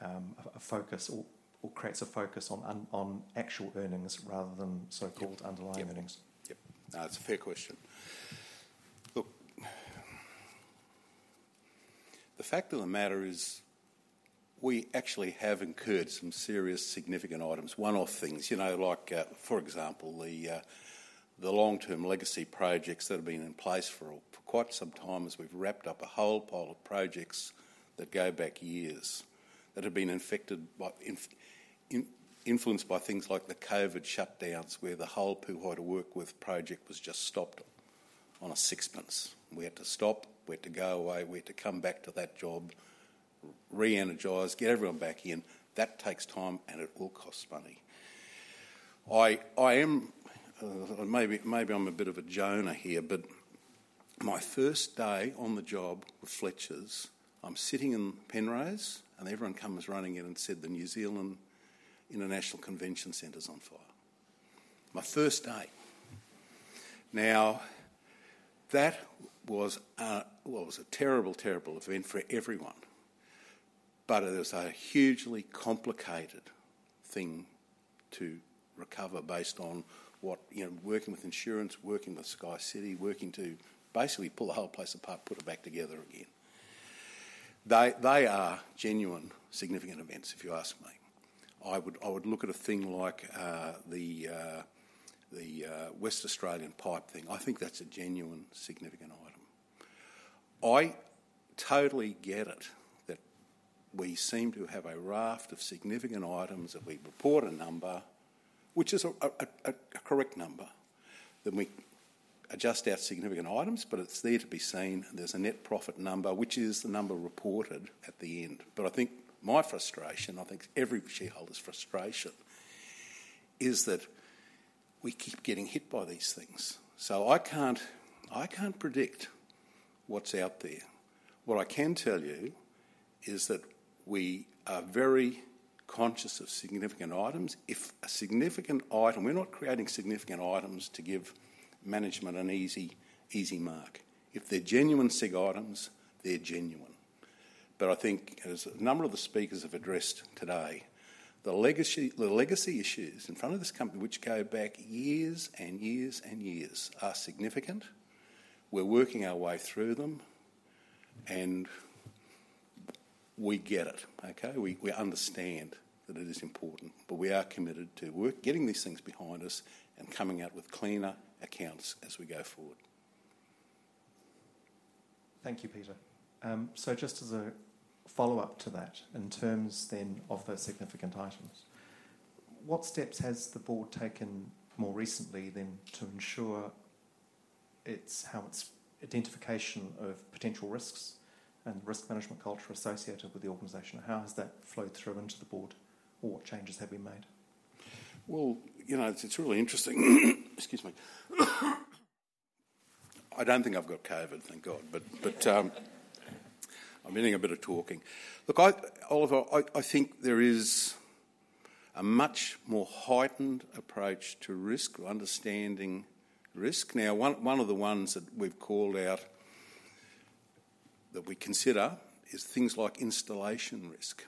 a focus or creates a focus on actual earnings rather than so-called- Yep... underlying earnings? Yep. It's a fair question. Look, the fact of the matter is, we actually have incurred some serious, significant items, one-off things, you know, like, for example, the long-term legacy projects that have been in place for quite some time, as we've wrapped up a whole pile of projects that go back years, that have been influenced by things like the COVID shutdowns, where the whole Puhoi to Warkworth project was just stopped on a sixpence. We had to stop. We had to go away. We had to come back to that job, re-energize, get everyone back in. That takes time, and it all costs money. I am maybe I'm a bit of a Jonah here, but my first day on the job with Fletchers, I'm sitting in Penrose, and everyone comes running in and said, "The New Zealand International Convention Center's on fire." My first day. Now, that was a well, it was a terrible, terrible event for everyone, but it was a hugely complicated thing to recover based on what, you know, working with insurance, working with SkyCity, working to basically pull the whole place apart, put it back together again. They are genuine, significant events, if you ask me. I would look at a thing like the Western Australian pipe thing. I think that's a genuine, significant item. I totally get it, that we seem to have a raft of significant items, that we report a number, which is a correct number, then we adjust our significant items, but it's there to be seen. There's a net profit number, which is the number reported at the end. But I think my frustration, I think every shareholder's frustration, is that we keep getting hit by these things. So I can't predict what's out there. What I can tell you is that we are very conscious of significant items. If a significant item, we're not creating significant items to give management an easy mark. If they're genuine sig items, they're genuine, but I think, as a number of the speakers have addressed today, the legacy issues in front of this company, which go back years and years and years, are significant. We're working our way through them, and we get it, okay? We, we understand that it is important, but we are committed to work, getting these things behind us and coming out with cleaner accounts as we go forward. Thank you, Peter. So just as a follow-up to that, in terms then of those significant items, what steps has the board taken more recently then to ensure its, how its identification of potential risks and risk management culture associated with the organization, how has that flowed through into the board, or what changes have been made? You know, it's really interesting. Excuse me. I don't think I've got COVID, thank God, but I'm getting a bit of talking. Look, I, Oliver, I think there is a much more heightened approach to risk, understanding risk. Now, one of the ones that we've called out, that we consider, is things like installation risk,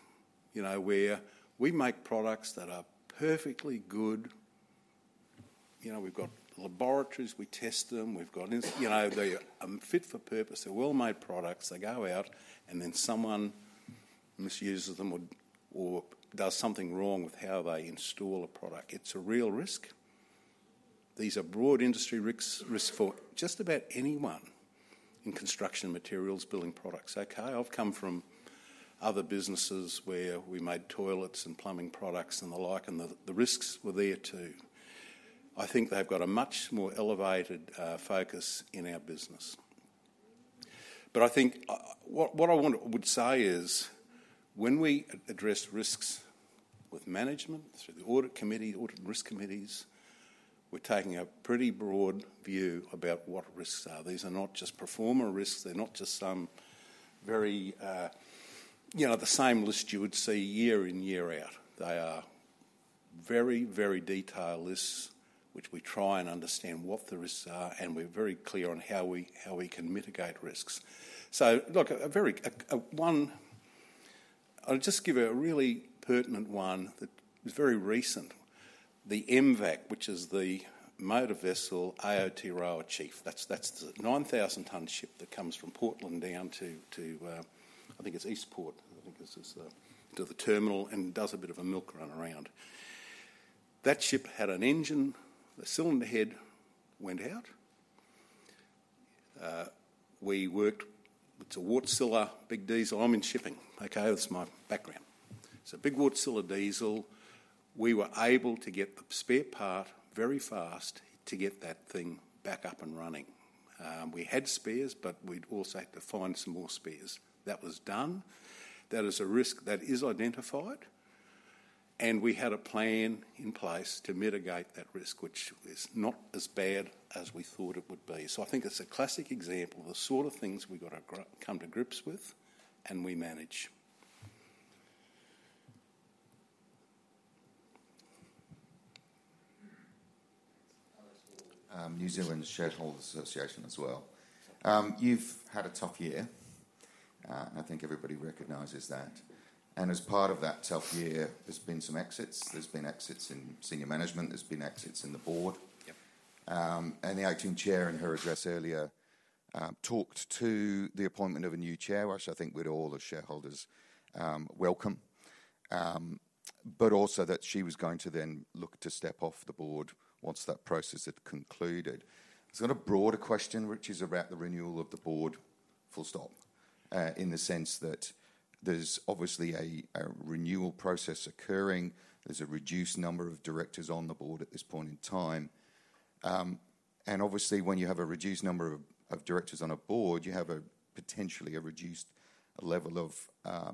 you know, where we make products that are perfectly good. You know, we've got laboratories, we test them, we've got in- you know, they're fit for purpose. They're well-made products. They go out, and then someone misuses them or does something wrong with how they install a product. It's a real risk. These are broad industry risks, risks for just about anyone in construction materials, building products, okay? I've come from other businesses where we made toilets and plumbing products and the like, and the risks were there, too. I think they've got a much more elevated focus in our business. But I think what I would say is, when we address risks with management through the audit committee, audit and risk committees, we're taking a pretty broad view about what risks are. These are not just performance risks. They're not just some very, you know, the same list you would see year in, year out. They are very, very detailed lists, which we try and understand what the risks are, and we're very clear on how we can mitigate risks. So look, I'll just give you a really pertinent one that was very recent. The MVAC, which is the motor vessel Aotearoa Chief, that's the 9,000-ton ship that comes from Portland down to I think it's East Port. I think this is to the terminal and does a bit of a milk run around. That ship had an engine, the cylinder head went out. It's a Wärtsilä big diesel. I'm in shipping, okay? That's my background. It's a big Wärtsilä diesel. We were able to get the spare part very fast to get that thing back up and running. We had spares, but we'd also had to find some more spares. That was done. That is a risk that is identified, and we had a plan in place to mitigate that risk, which is not as bad as we thought it would be. So I think it's a classic example of the sort of things we've got to come to grips with, and we manage. New Zealand Shareholders Association as well. You've had a tough year, and I think everybody recognizes that. And as part of that tough year, there's been some exits. There's been exits in senior management, there's been exits in the board. Yep. And the acting chair, in her address earlier, talked to the appointment of a new chair, which I think we'd all, as shareholders, welcome. But also that she was going to then look to step off the board once that process had concluded. It's not a broader question, which is about the renewal of the board, full stop, in the sense that there's obviously a renewal process occurring. There's a reduced number of directors on the board at this point in time. And obviously, when you have a reduced number of directors on a board, you have potentially a reduced level of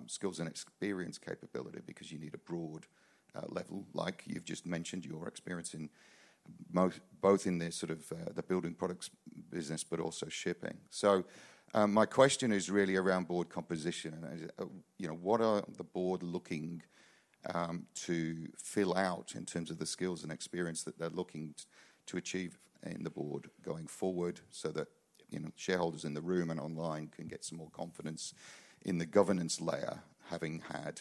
skills and experience capability because you need a broad level, like you've just mentioned, your experience in both in the sort of the building products business, but also shipping. My question is really around board composition, and, you know, what are the Board looking to fill out in terms of the skills and experience that they're looking to achieve in the Board going forward so that, you know, shareholders in the room and online can get some more confidence in the governance layer, having had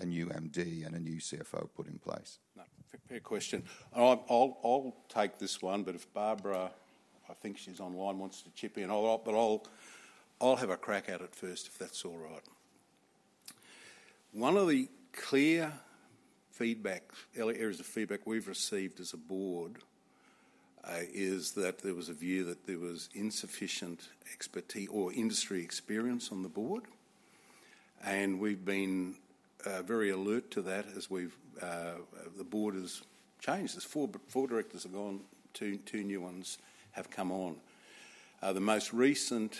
a new MD and a new CFO put in place? Fair question, and I'll take this one, but if Barbara, I think she's online, wants to chip in. I'll have a crack at it first, if that's all right. One of the clear areas of feedback we've received as a board is that there was a view that there was insufficient expertise or industry experience on the board, and we've been very alert to that as the board has changed. There are four directors have gone. Two new ones have come on. The most recent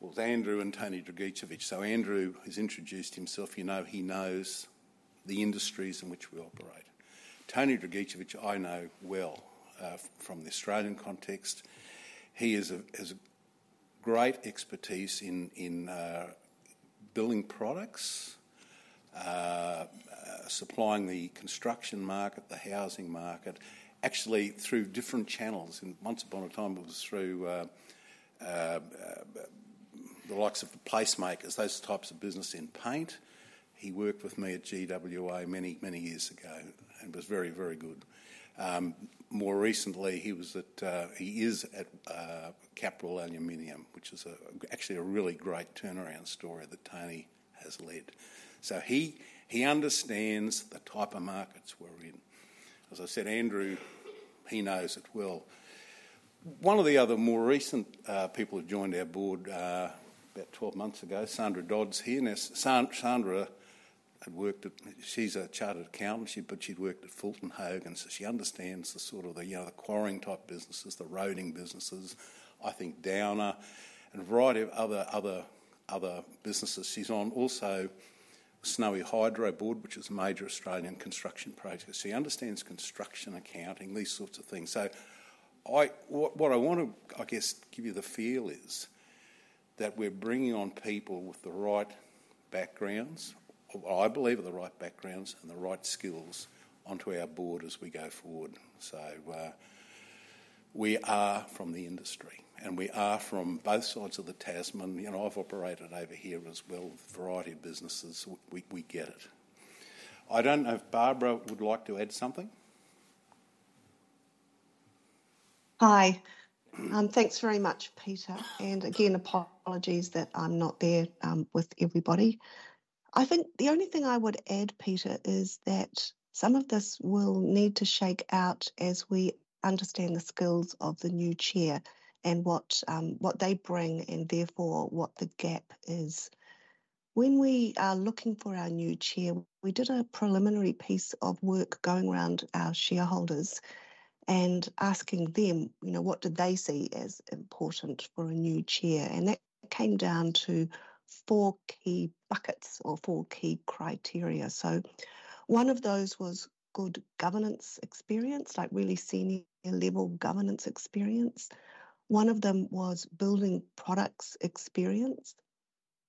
was Andrew and Tony Dragicevich. So Andrew has introduced himself. You know, he knows the industries in which we operate. Tony Dragicevich, I know well from the Australian context. He has great expertise in building products. supplying the construction market, the housing market, actually through different channels. And once upon a time, it was through the likes of the PlaceMakers, those types of business in paint. He worked with me at GWA many, many years ago, and was very, very good. More recently, he was at, he is at, Capral Aluminium, which is actually a really great turnaround story that Tony has led. So he understands the type of markets we're in. As I said, Andrew, he knows it well. One of the other more recent people who joined our board about 12 months ago, Sandra Dodds, here. Now, Sandra had worked at. She's a chartered accountant. She, but she'd worked at Fulton Hogan, so she understands the sort of, you know, the quarrying-type businesses, the roading businesses, I think Downer and a variety of other businesses. She's on also Snowy Hydro board, which is a major Australian construction project. She understands construction, accounting, these sorts of things. So, what I want to, I guess, give you the feel is that we're bringing on people with the right backgrounds, or I believe, are the right backgrounds and the right skills onto our board as we go forward. So, we are from the industry, and we are from both sides of the Tasman. You know, I've operated over here as well, with a variety of businesses. We, we get it. I don't know if Barbara would like to add something. Hi. Thanks very much, Peter. And again, apologies that I'm not there with everybody. I think the only thing I would add, Peter, is that some of this will need to shake out as we understand the skills of the new chair and what they bring, and therefore, what the gap is. When we are looking for our new chair, we did a preliminary piece of work going around our shareholders and asking them, you know, what did they see as important for a new chair? And that came down to four key buckets or four key criteria. So one of those was good governance experience, like really senior-level governance experience. One of them was building products experience.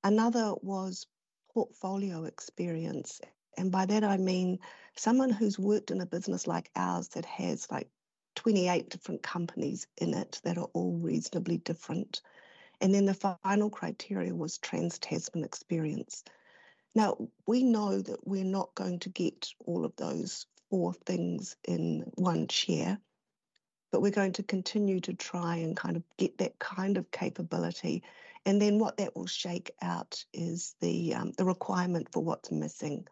Another was portfolio experience, and by that I mean someone who's worked in a business like ours that has, like, twenty-eight different companies in it that are all reasonably different. And then, the final criteria was trans-Tasman experience. Now, we know that we're not going to get all of those four things in one chair, but we're going to continue to try and kind of get that kind of capability. And then, what that will shake out is the, the requirement for what's missing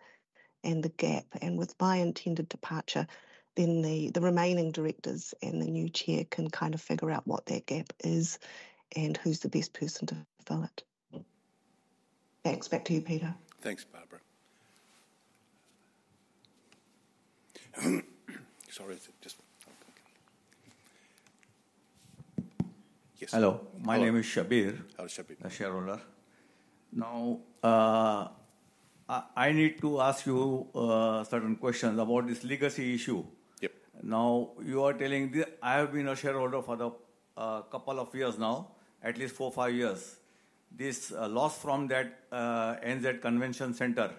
and the gap. And with my intended departure, then the remaining directors and the new chair can kind of figure out what that gap is and who's the best person to fill it. Mm. Thanks. Back to you, Peter. Thanks, Barbara. Sorry, just... Yes. Hello, my name is Shabir- Hello, Shabir... a shareholder. Now, I need to ask you certain questions about this legacy issue. Yep. I have been a shareholder for the couple of years now, at least four, five years. This loss from that NZ Convention Centre,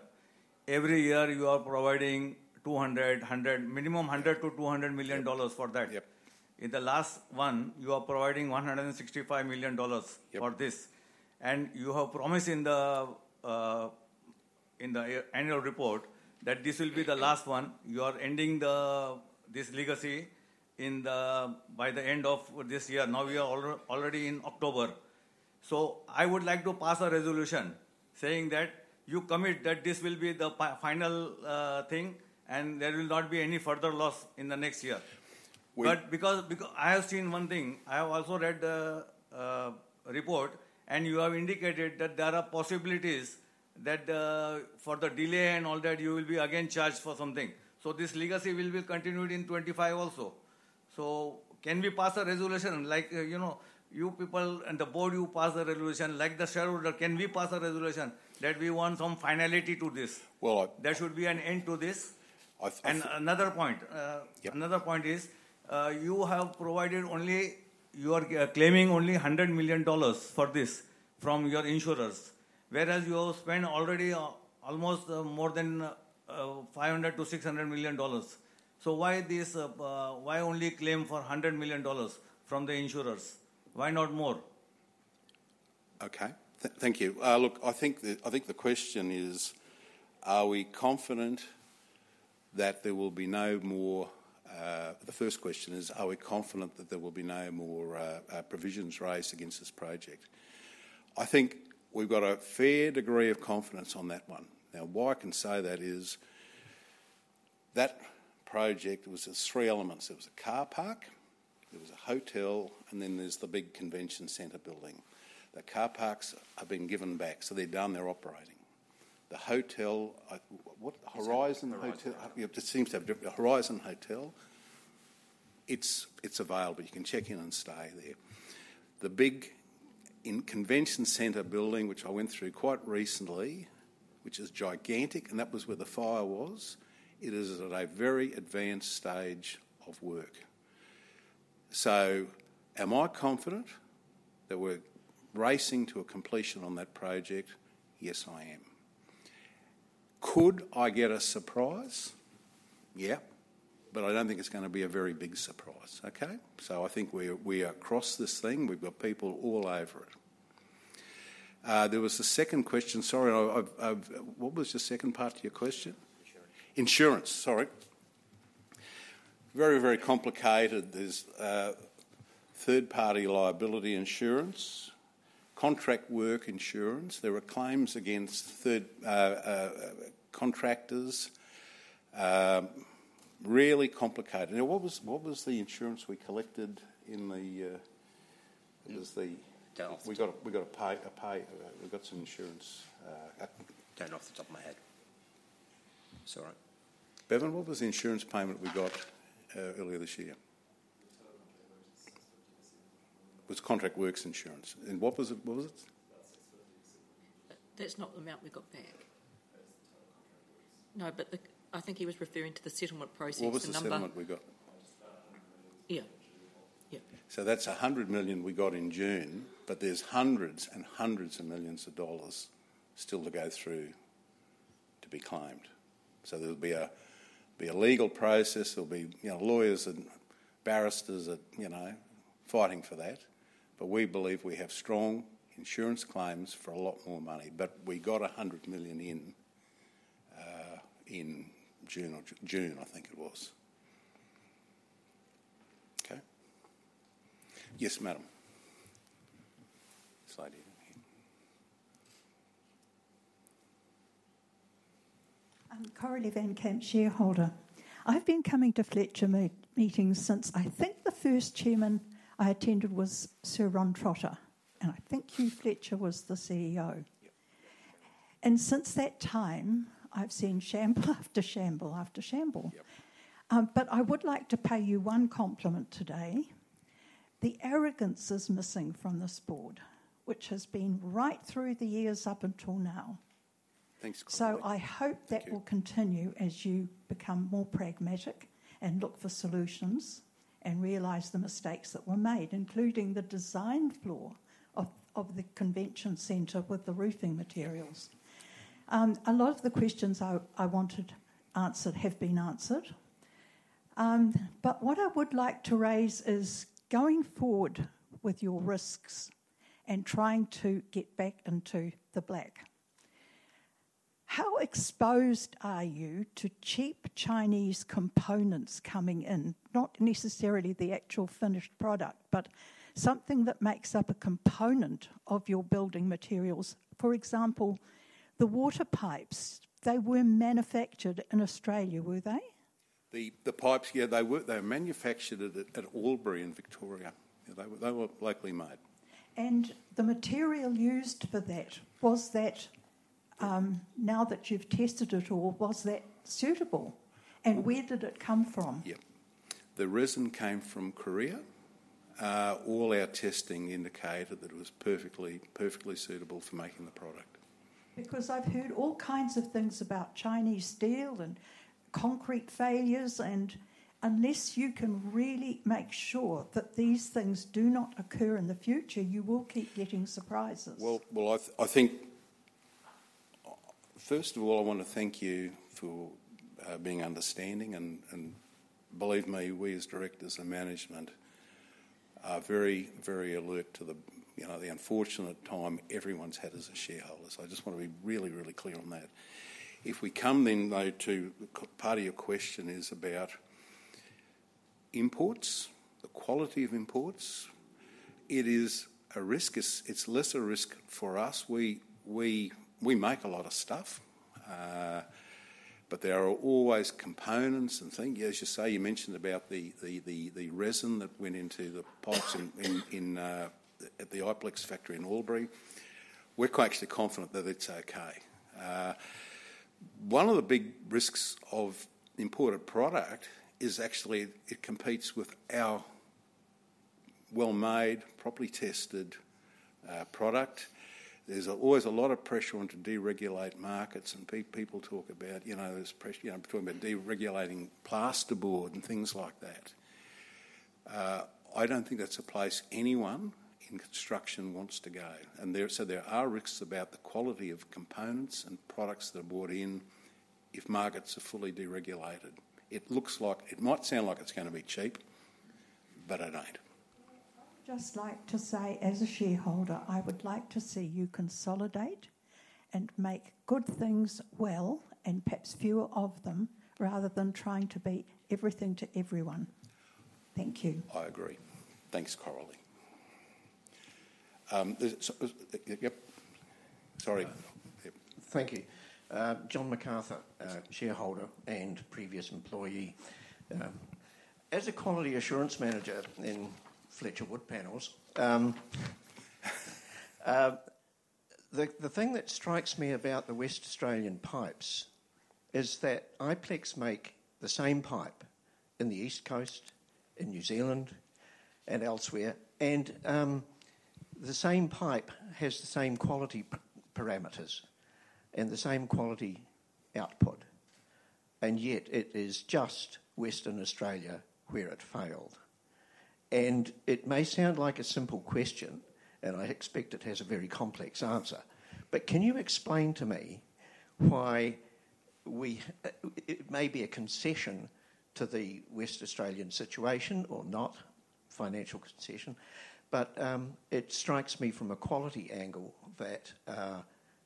every year you are providing minimum 100 million-200 million dollars for that. Yep. In the last one, you are providing 165 million dollars- Yep... for this. And you have promised in the annual report that this will be the last one. You are ending this legacy by the end of this year. Now, we are already in October. So I would like to pass a resolution saying that you commit that this will be the final thing, and there will not be any further loss in the next year. We- But because I have seen one thing. I have also read the report, and you have indicated that there are possibilities that for the delay and all that, you will be again charged for something. So this legacy will be continued in 2025 also. So can we pass a resolution like, you know, you people in the board, you pass the resolution like the shareholder, can we pass a resolution that we want some finality to this? Well- There should be an end to this. I, I s- And another point. Yep... another point is, you have provided only, you are claiming only 100 million dollars for this from your insurers, whereas you have spent already, almost, more than, 500-600 million dollars. So why this, why only claim for 100 million dollars from the insurers? Why not more? Okay. Thank you. Look, I think the question is, are we confident that there will be no more. The first question is: Are we confident that there will be no more provisions raised against this project? I think we've got a fair degree of confidence on that one. Now, why I can say that is, that project was just three elements. There was a car park, there was a hotel, and then there's the big convention center building. The car parks have been given back, so they're down there operating. The hotel, Horizon Hotel. Horizon. It seems to have different, Horizon Hotel. It's available. You can check in and stay there. The big convention center building, which I went through quite recently, which is gigantic, and that was where the fire was, it is at a very advanced stage of work. So, am I confident that we're racing to a completion on that project? Yes, I am. Could I get a surprise? Yeah, but I don't think it's gonna be a very big surprise, okay? So I think we are across this thing. We've got people all over it. There was a second question. Sorry, I've-- What was the second part to your question? Insurance. Insurance, sorry. Very, very complicated. There's third-party liability insurance, contract work insurance. There are claims against third contractors. Really complicated. Now, what was the insurance we collected in the, it was the-... Off. We got a payout. We've got some insurance. + Don't know off the top of my head. Sorry. Barbara, what was the insurance payment we got earlier this year? ... was contract works insurance, and what was it? About 6:57. But that's not the amount we got back. That's the total contract works. No, but the, I think he was referring to the settlement process, the number. What was the settlement we got? NZD 100 million. Yeah. Yeah. So that's 100 million we got in June, but there's hundreds and hundreds of millions of dollars still to go through to be claimed. So there'll be a legal process, there'll be, you know, lawyers and barristers that, you know, fighting for that. But we believe we have strong insurance claims for a lot more money, but we got 100 million in June, I think it was. Okay. Yes, madam. This lady. I'm Coralie Van Camp, shareholder. I've been coming to Fletcher meetings since I think the first chairman I attended was Sir Ron Trotter, and I think Hugh Fletcher was the CEO. Yep. Since that time, I've seen shambles after shambles after shambles. Yep. But I would like to pay you one compliment today. The arrogance is missing from this board, which has been right through the years up until now. Thanks, Coralie. So I hope— Thank you... that will continue as you become more pragmatic and look for solutions, and realize the mistakes that were made, including the design flaw of the convention center with the roofing materials. A lot of the questions I wanted answered have been answered, but what I would like to raise is, going forward with your risks and trying to get back into the black, how exposed are you to cheap Chinese components coming in? Not necessarily the actual finished product, but something that makes up a component of your building materials. For example, the water pipes, they were manufactured in Australia, were they? The pipes, yeah, they were. They were manufactured at Albury in Victoria. They were locally made. And the material used for that, was that, now that you've tested it all, was that suitable, and where did it come from? Yeah. The resin came from Korea. All our testing indicated that it was perfectly, perfectly suitable for making the product. Because I've heard all kinds of things about Chinese steel and concrete failures, and unless you can really make sure that these things do not occur in the future, you will keep getting surprises. I think first of all, I want to thank you for being understanding, and believe me, we as directors and management are very, very alert to the, you know, the unfortunate time everyone's had as a shareholder. So I just want to be really, really clear on that. If we come then, though, to part of your question is about imports, the quality of imports. It is a risk. It's less a risk for us. We make a lot of stuff, but there are always components and things. As you say, you mentioned about the resin that went into the pipes in at the Iplex factory in Albury. We're quite actually confident that it's okay. One of the big risks of imported product is actually it competes with our well-made, properly tested, product. There's always a lot of pressure on to deregulate markets, and people talk about, you know, there's pressure, you know, talking about deregulating plasterboard and things like that. I don't think that's a place anyone in construction wants to go, and so there are risks about the quality of components and products that are brought in if markets are fully deregulated. It looks like it might sound like it's gonna be cheap, but it ain't. I'd just like to say, as a shareholder, I would like to see you consolidate and make good things well and perhaps fewer of them, rather than trying to be everything to everyone. Thank you. I agree. Thanks, Coralie. So, yep. Sorry. Thank you. John McArthur, shareholder and previous employee. As a quality assurance manager in Fletcher Wood Panels, the thing that strikes me about the Western Australian pipes is that Iplex make the same pipe in the East Coast, in New Zealand, and elsewhere, and the same pipe has the same quality parameters and the same quality output, and yet it is just Western Australia where it failed. It may sound like a simple question, and I expect it has a very complex answer, but can you explain to me why we, it may be a concession to the Western Australian situation or not, financial concession, but it strikes me from a quality angle that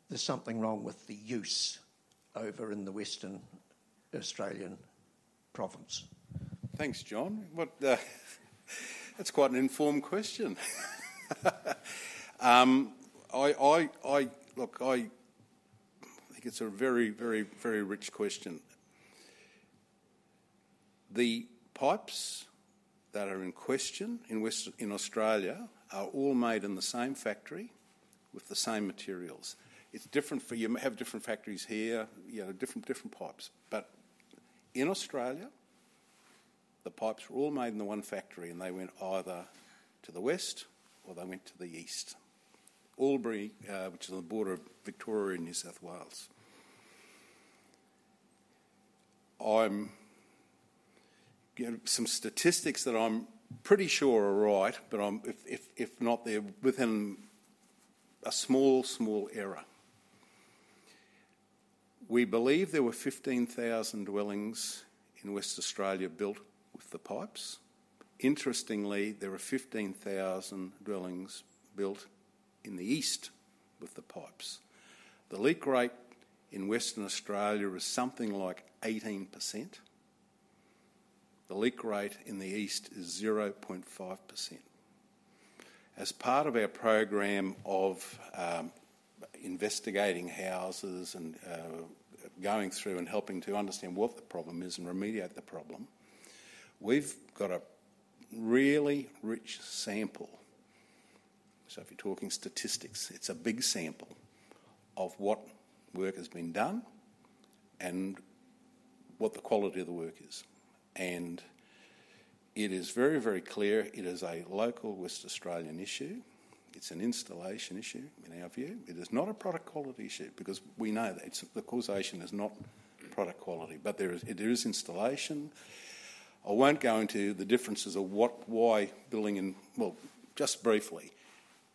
there's something wrong with the use over in the Western Australian province. Thanks, John. But that's quite an informed question. Look, I think it's a very, very, very rich question. The pipes that are in question in Western Australia are all made in the same factory with the same materials. It's different for you, may have different factories here, you know, different, different pipes. But in Australia, the pipes were all made in the one factory, and they went either to the west or they went to the east. Albury, which is on the border of Victoria and New South Wales. I'm getting some statistics that I'm pretty sure are right, but if not, they're within a small, small error. We believe there were 15,000 dwellings in Western Australia built with the pipes. Interestingly, there are 15,000 dwellings built in the east with the pipes. The leak rate in Western Australia is something like 18%. The leak rate in the east is 0.5%. As part of our program of investigating houses and going through and helping to understand what the problem is and remediate the problem, we've got a really rich sample. So if you're talking statistics, it's a big sample of what work has been done and what the quality of the work is. And it is very, very clear it is a local Western Australian issue. It's an installation issue, in our view. It is not a product quality issue because we know that the causation is not product quality, but there is, there is installation. I won't go into the differences of what, why building in... Just briefly,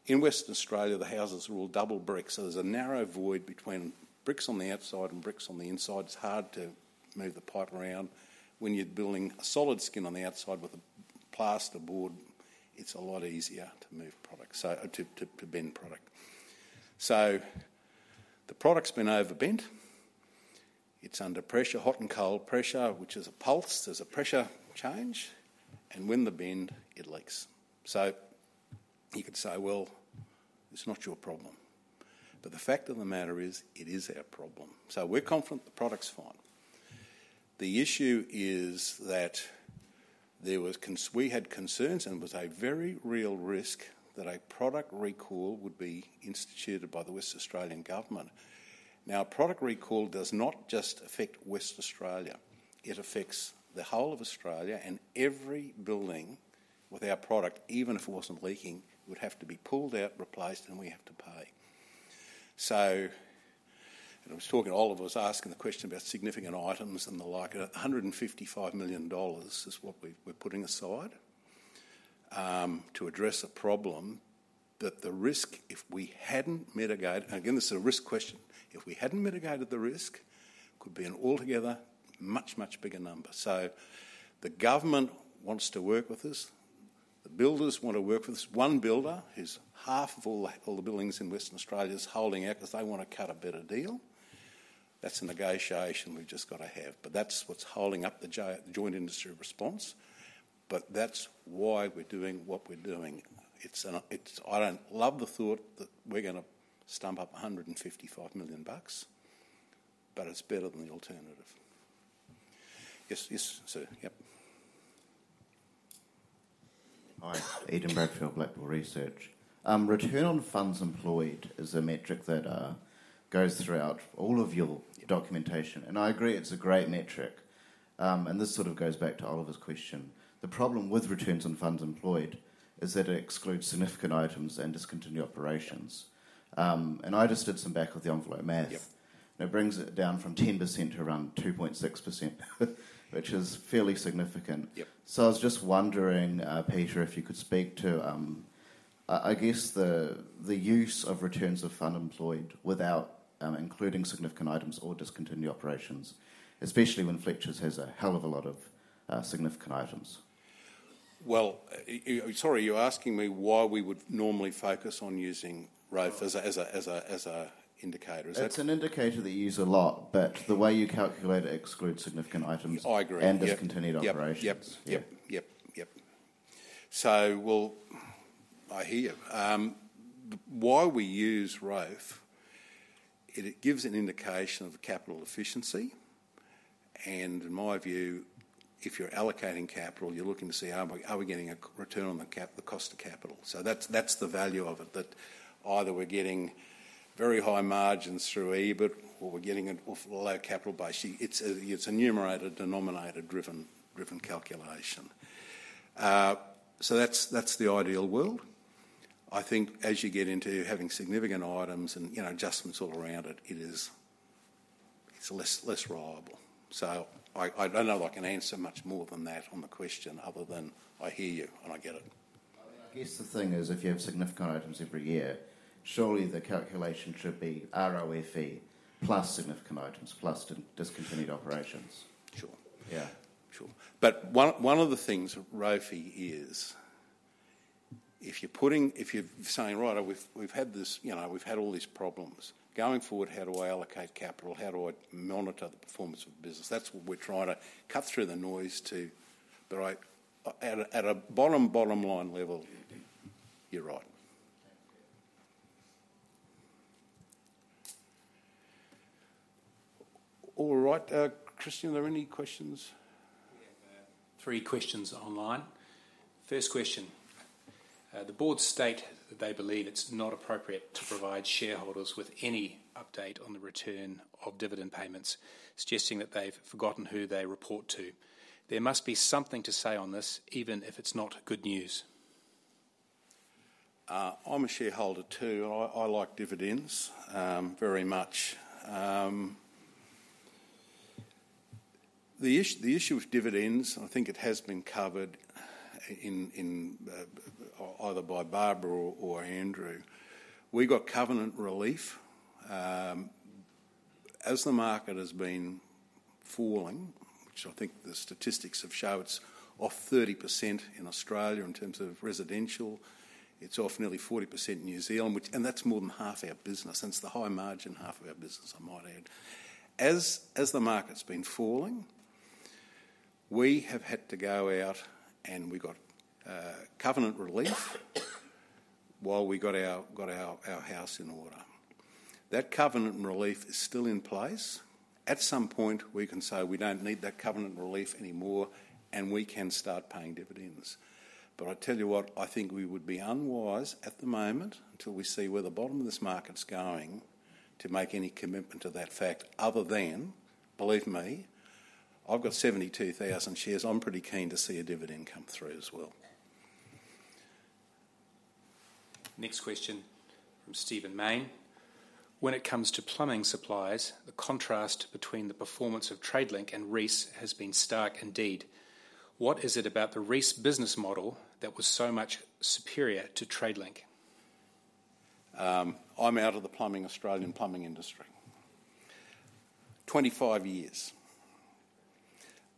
in Western Australia, the houses are all double brick, so there's a narrow void between bricks on the outside and bricks on the inside. It's hard to move the pipe around. When you're building a solid skin on the outside with a plaster board, it's a lot easier to move product, so to bend product. So the product's been overbent. It's under pressure, hot and cold pressure, which is a pulse. There's a pressure change, and when the bend, it leaks. So you could say, "Well, it's not your problem," but the fact of the matter is, it is our problem. So we're confident the product's fine. The issue is that there was concern. We had concerns, and there was a very real risk that a product recall would be instituted by the Western Australian government. Now, a product recall does not just affect Western Australia, it affects the whole of Australia, and every building with our product, even if it wasn't leaking, would have to be pulled out, replaced, and we have to pay. So and I was talking, Oliver was asking the question about significant items and the like. 155 million dollars is what we're putting aside to address a problem that the risk, if we hadn't mitigated, again, this is a risk question, if we hadn't mitigated the risk, could be an altogether much, much bigger number. So the government wants to work with us. The builders want to work with us. One builder, who's half of all the buildings in Western Australia, is holding out 'cause they want to cut a better deal. That's a negotiation we've just got to have, but that's what's holding up the joint industry response. But that's why we're doing what we're doing. It's, it's—I don't love the thought that we're gonna stump up 155 million bucks, but it's better than the alternative. Yes, yes, sir. Yep. Hi, Eden Bradford, Blackbull Research. Return on funds employed is a metric that goes throughout all of your documentation, and I agree it's a great metric, and this sort of goes back to Oliver's question. The problem with returns on funds employed is that it excludes significant items and discontinued operations, and I just did some back-of-the-envelope math- Yep. - and it brings it down from 10% to around 2.6%, which is fairly significant. Yep. So I was just wondering, Peter, if you could speak to, I guess the use of Return on Funds Employed without including significant items or discontinued operations, especially when Fletchers has a hell of a lot of significant items. Sorry, you're asking me why we would normally focus on using ROFE as a indicator, is it? It's an indicator that you use a lot, but the way you calculate excludes significant items- I agree... and discontinued operations. Yep, yep, yep. Yep, yep. Well, I hear you. Why we use ROFE, it gives an indication of capital efficiency, and in my view, if you're allocating capital, you're looking to see, are we getting a return on the cap, the cost of capital? That's the value of it, that either we're getting very high margins through EBIT, or we're getting it off all our capital base. It's a numerator, denominator-driven calculation. That's the ideal world. I think as you get into having significant items and, you know, adjustments all around it, it is less reliable. I don't know if I can answer much more than that on the question, other than I hear you, and I get it. I mean, I guess the thing is, if you have significant items every year, surely the calculation should be ROFE plus significant items, plus discontinued operations. Sure. Yeah, sure. But one of the things ROFE is, if you're putting, if you're saying, "Right, we've had this, you know, we've had all these problems. Going forward, how do I allocate capital? How do I monitor the performance of the business?" That's what we're trying to cut through the noise to. But I, at a bottom line level, you're right. All right, Christian, are there any questions? We have three questions online. First question: The board state that they believe it's not appropriate to provide shareholders with any update on the return of dividend payments, suggesting that they've forgotten who they report to. There must be something to say on this, even if it's not good news. I'm a shareholder, too, and I like dividends very much. The issue with dividends, I think it has been covered in either by Barbara or Andrew. We got covenant relief. As the market has been falling, which I think the statistics have showed it's off 30% in Australia in terms of residential. It's off nearly 40% in New Zealand, which, and that's more than half our business. That's the high-margin half of our business, I might add. As the market's been falling, we have had to go out, and we got covenant relief while we got our house in order. That covenant relief is still in place. At some point, we can say, "We don't need that covenant relief anymore, and we can start paying dividends." But I tell you what, I think we would be unwise at the moment, until we see where the bottom of this market's going, to make any commitment to that fact, other than, believe me, I've got seventy-two thousand shares. I'm pretty keen to see a dividend come through as well. Next question from Stephen Mayne: When it comes to plumbing supplies, the contrast between the performance of Tradelink and Reece has been stark indeed. What is it about the Reece business model that was so much superior to Tradelink? I'm out of the plumbing Australian plumbing industry. Twenty-five years.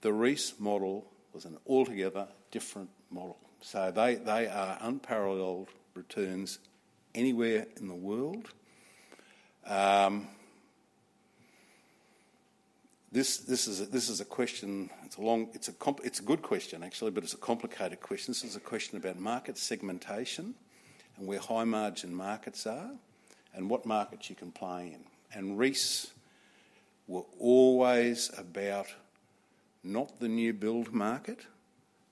The Reece model was an altogether different model. So they are unparalleled returns anywhere in the world. This is a question. It's a good question, actually, but it's a complicated question. This is a question about market segmentation and where high-margin markets are and what markets you can play in. And Reece were always about not the new build market,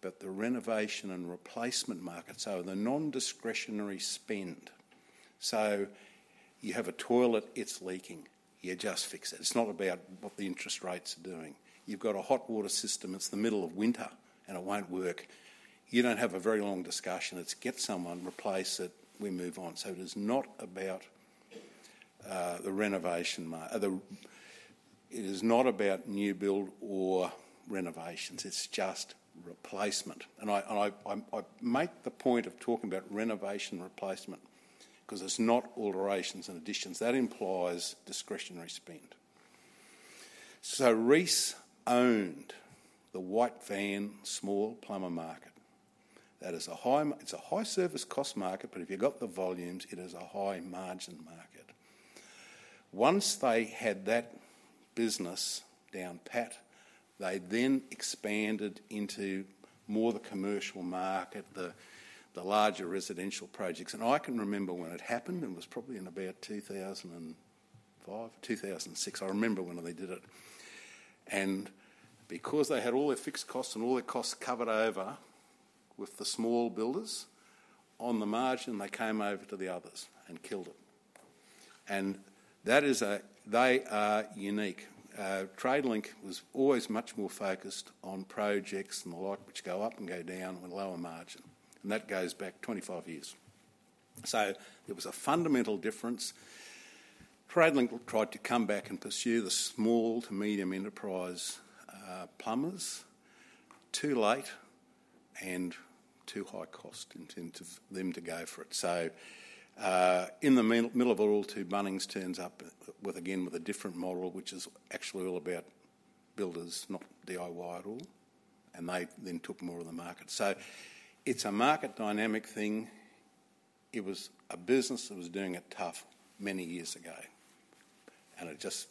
but the renovation and replacement market, so the non-discretionary spend. So you have a toilet, it's leaking. You just fix it. It's not about what the interest rates are doing. You've got a hot water system, it's the middle of winter, and it won't work. You don't have a very long discussion. It's get someone, replace it, we move on. It is not about the renovation. It is not about new build or renovations. It's just replacement. And I make the point of talking about renovation and replacement 'cause it's not alterations and additions. That implies discretionary spend. So Reece owned the white van, small plumber market. That is a high-service cost market, but if you've got the volumes, it is a high-margin market. Once they had that business down pat, they then expanded into more the commercial market, the larger residential projects, and I can remember when it happened. It was probably in about 2005, 2006. I remember when they did it. And because they had all their fixed costs and all their costs covered over with the small builders, on the margin, they came over to the others and killed them. They are unique. Tradelink was always much more focused on projects and the like, which go up and go down with a lower margin, and that goes back 25 years. There was a fundamental difference. Tradelink tried to come back and pursue the small to medium enterprise plumbers. Too late and too high cost in terms of them to go for it. In the middle of it all, too, Bunnings turns up with, again, with a different model, which is actually all about builders, not DIY at all, and they then took more of the market. It is a market dynamic thing. It was a business that was doing it tough many years ago, and it just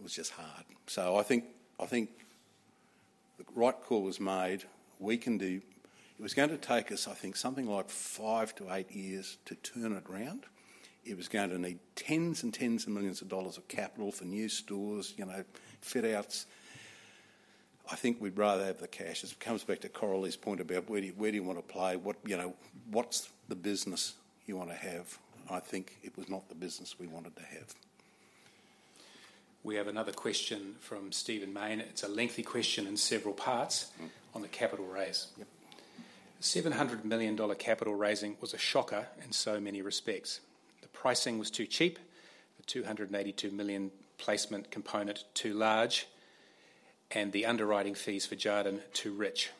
was hard. I think the right call was made. It was going to take us, I think, something like five to eight years to turn it around. It was going to need tens and tens of millions of dollars of capital for new stores, you know, fit outs. I think we'd rather have the cash. This comes back to Coralie's point about where do you, where do you want to play? What, you know, what's the business you want to have? I think it was not the business we wanted to have.... We have another question from Steven Bell. It's a lengthy question in several parts. Mm. on the capital raise. Yep. 700 million dollar capital raising was a shocker in so many respects. The pricing was too cheap, the 282 million placement component too large, and the underwriting fees for Jarden too rich.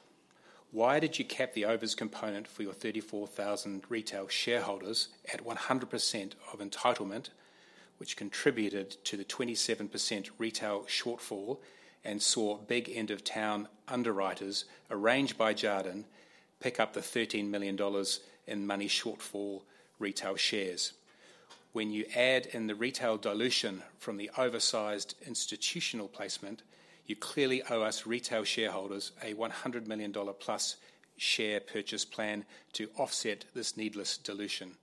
Why did you cap the overs component for your 34,000 retail shareholders at 100% of entitlement, which contributed to the 27% retail shortfall and saw big end-of-town underwriters, arranged by Jarden, pick up the 13 million dollars in money shortfall retail shares? When you add in the retail dilution from the oversized institutional placement, you clearly owe us retail shareholders a 100 million dollar plus share purchase plan to offset this needless dilution.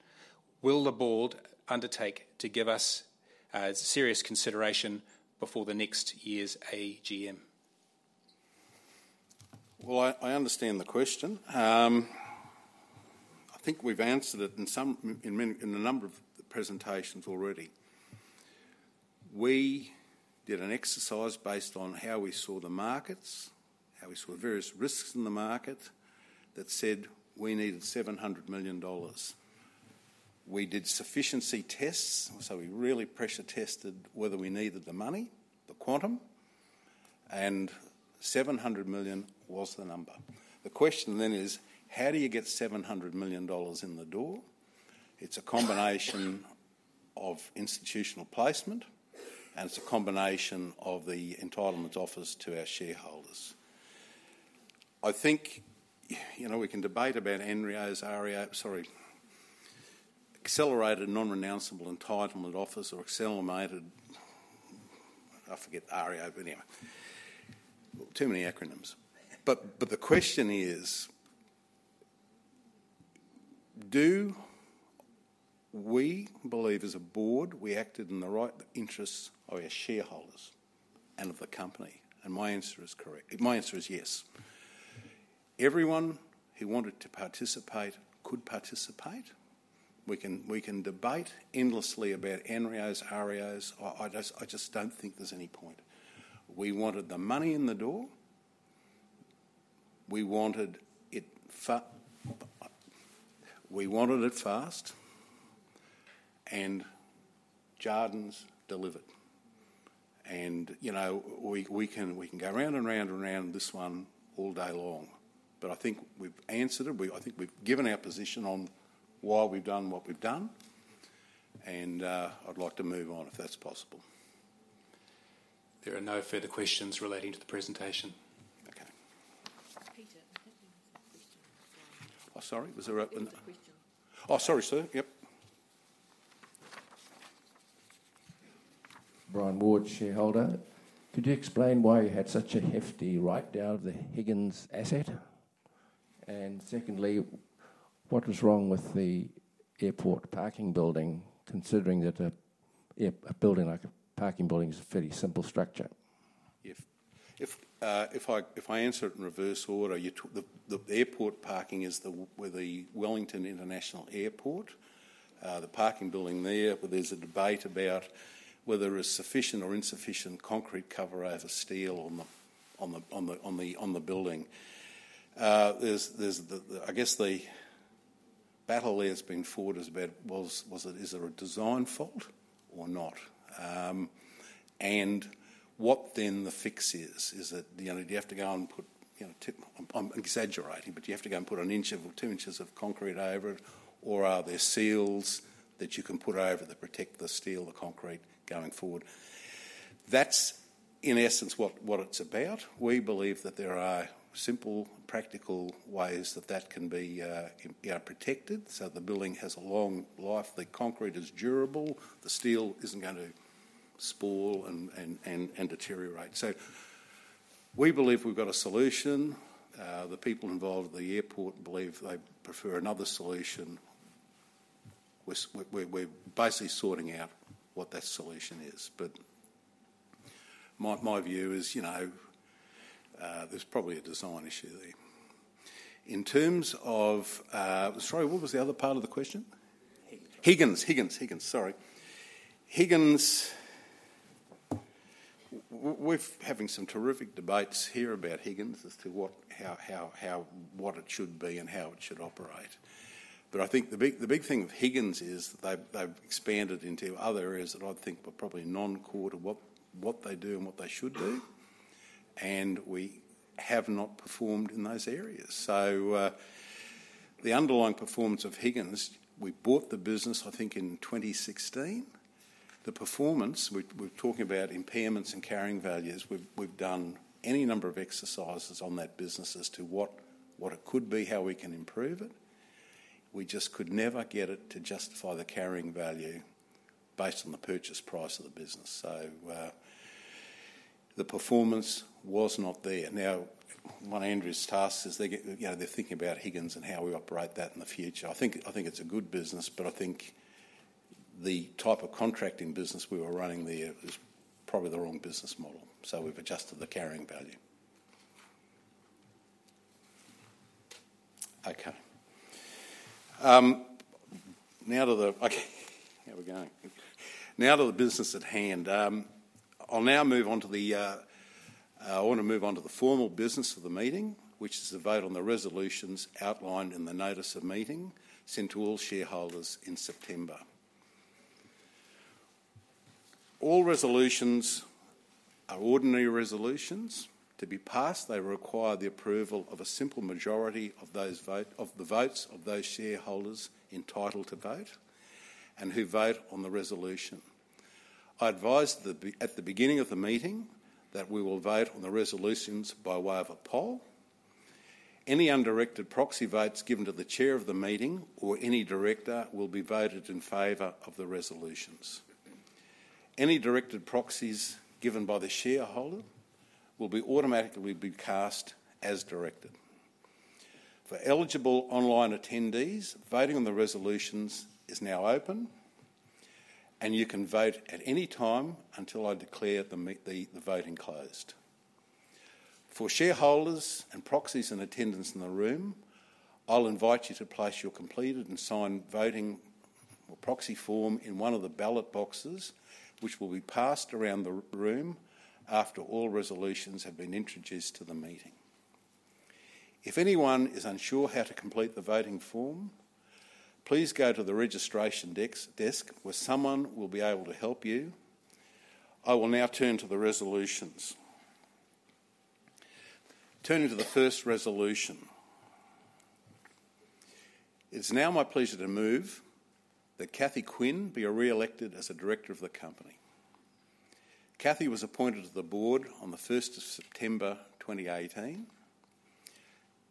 Will the board undertake to give us serious consideration before the next year's AGM? I understand the question. I think we've answered it in a number of presentations already. We did an exercise based on how we saw the markets, how we saw various risks in the market, that said we needed 700 million dollars. We did sufficiency tests, so we really pressure tested whether we needed the money, the quantum, and 700 million was the number. The question then is: How do you get 700 million dollars in the door? It's a combination of institutional placement, and it's a combination of the entitlements offers to our shareholders. I think, you know, we can debate about NREOs, REO. Sorry, accelerated non-renounceable entitlement offers or accelerated, I forget, REO, but anyway, too many acronyms. But the question is: Do we believe, as a board, we acted in the right interests of our shareholders and of the company? And my answer is yes. Everyone who wanted to participate, could participate. We can debate endlessly about NREOs, REOs. I just don't think there's any point. We wanted the money in the door. We wanted it fast, and Jarden delivered. And, you know, we can go round and round and round this one all day long, but I think we've answered it. I think we've given our position on why we've done what we've done, and I'd like to move on, if that's possible. There are no further questions relating to the presentation. Okay. Peter, I think there was a question. Oh, sorry. Was there a- There's a question. Oh, sorry, sir. Yep. Brian Ward, shareholder. Could you explain why you had such a hefty write-down of the Higgins asset? And secondly, what was wrong with the airport parking building, considering that a building like a parking building is a fairly simple structure? If I answer it in reverse order, you took the airport parking is with the Wellington International Airport. The parking building there, where there's a debate about whether there is sufficient or insufficient concrete cover over steel on the building. There's the... I guess the battle that's been fought is about was it a design fault or not? Is there a design fault or not? And what then the fix is, is that, you know, do you have to go and put, you know, I'm exaggerating, but do you have to go and put an inch or two inches of concrete over it, or are there seals that you can put over to protect the steel, the concrete, going forward? That's, in essence, what it's about. We believe that there are simple, practical ways that that can be, you know, protected, so the building has a long life, the concrete is durable, the steel isn't going to spoil and deteriorate. So we believe we've got a solution. The people involved at the airport believe they prefer another solution. We're basically sorting out what that solution is, but my view is, you know, there's probably a design issue there. In terms of... Sorry, what was the other part of the question? Higgins. Higgins, sorry. Higgins, we're having some terrific debates here about Higgins as to what, how, what it should be and how it should operate. But I think the big thing with Higgins is that they've expanded into other areas that I'd think were probably non-core to what they do and what they should do, and we have not performed in those areas. So, the underlying performance of Higgins, we bought the business, I think in 2016. The performance, we're talking about impairments and carrying values. We've done any number of exercises on that business as to what it could be, how we can improve it. We just could never get it to justify the carrying value based on the purchase price of the business. So, the performance was not there. Now, one of Andrew's tasks is, you know, they're thinking about Higgins and how we operate that in the future. I think it's a good business, but I think the type of contracting business we were running there was probably the wrong business model, so we've adjusted the carrying value. Okay. Now to the business at hand. Okay, here we're going. I'll now move on to the. I want to move on to the formal business of the meeting, which is the vote on the resolutions outlined in the notice of meeting sent to all shareholders in September. All resolutions are ordinary resolutions. To be passed, they require the approval of a simple majority of the votes of those shareholders entitled to vote and who vote on the resolution. I advised at the beginning of the meeting that we will vote on the resolutions by way of a poll. Any undirected proxy votes given to the Chair of the meeting or any director will be voted in favor of the resolutions. Any directed proxies given by the shareholder will be automatically cast as directed. For eligible online attendees, voting on the resolutions is now open, and you can vote at any time until I declare the meeting, the voting closed. For shareholders and proxies in attendance in the room, I'll invite you to place your completed and signed voting or proxy form in one of the ballot boxes, which will be passed around the room after all resolutions have been introduced to the meeting. If anyone is unsure how to complete the voting form, please go to the registration desk, where someone will be able to help you. I will now turn to the resolutions. Turning to the first resolution. It's now my pleasure to move that Cathy Quinn be reelected as a director of the company. Cathy was appointed to the board on the first of September 2018.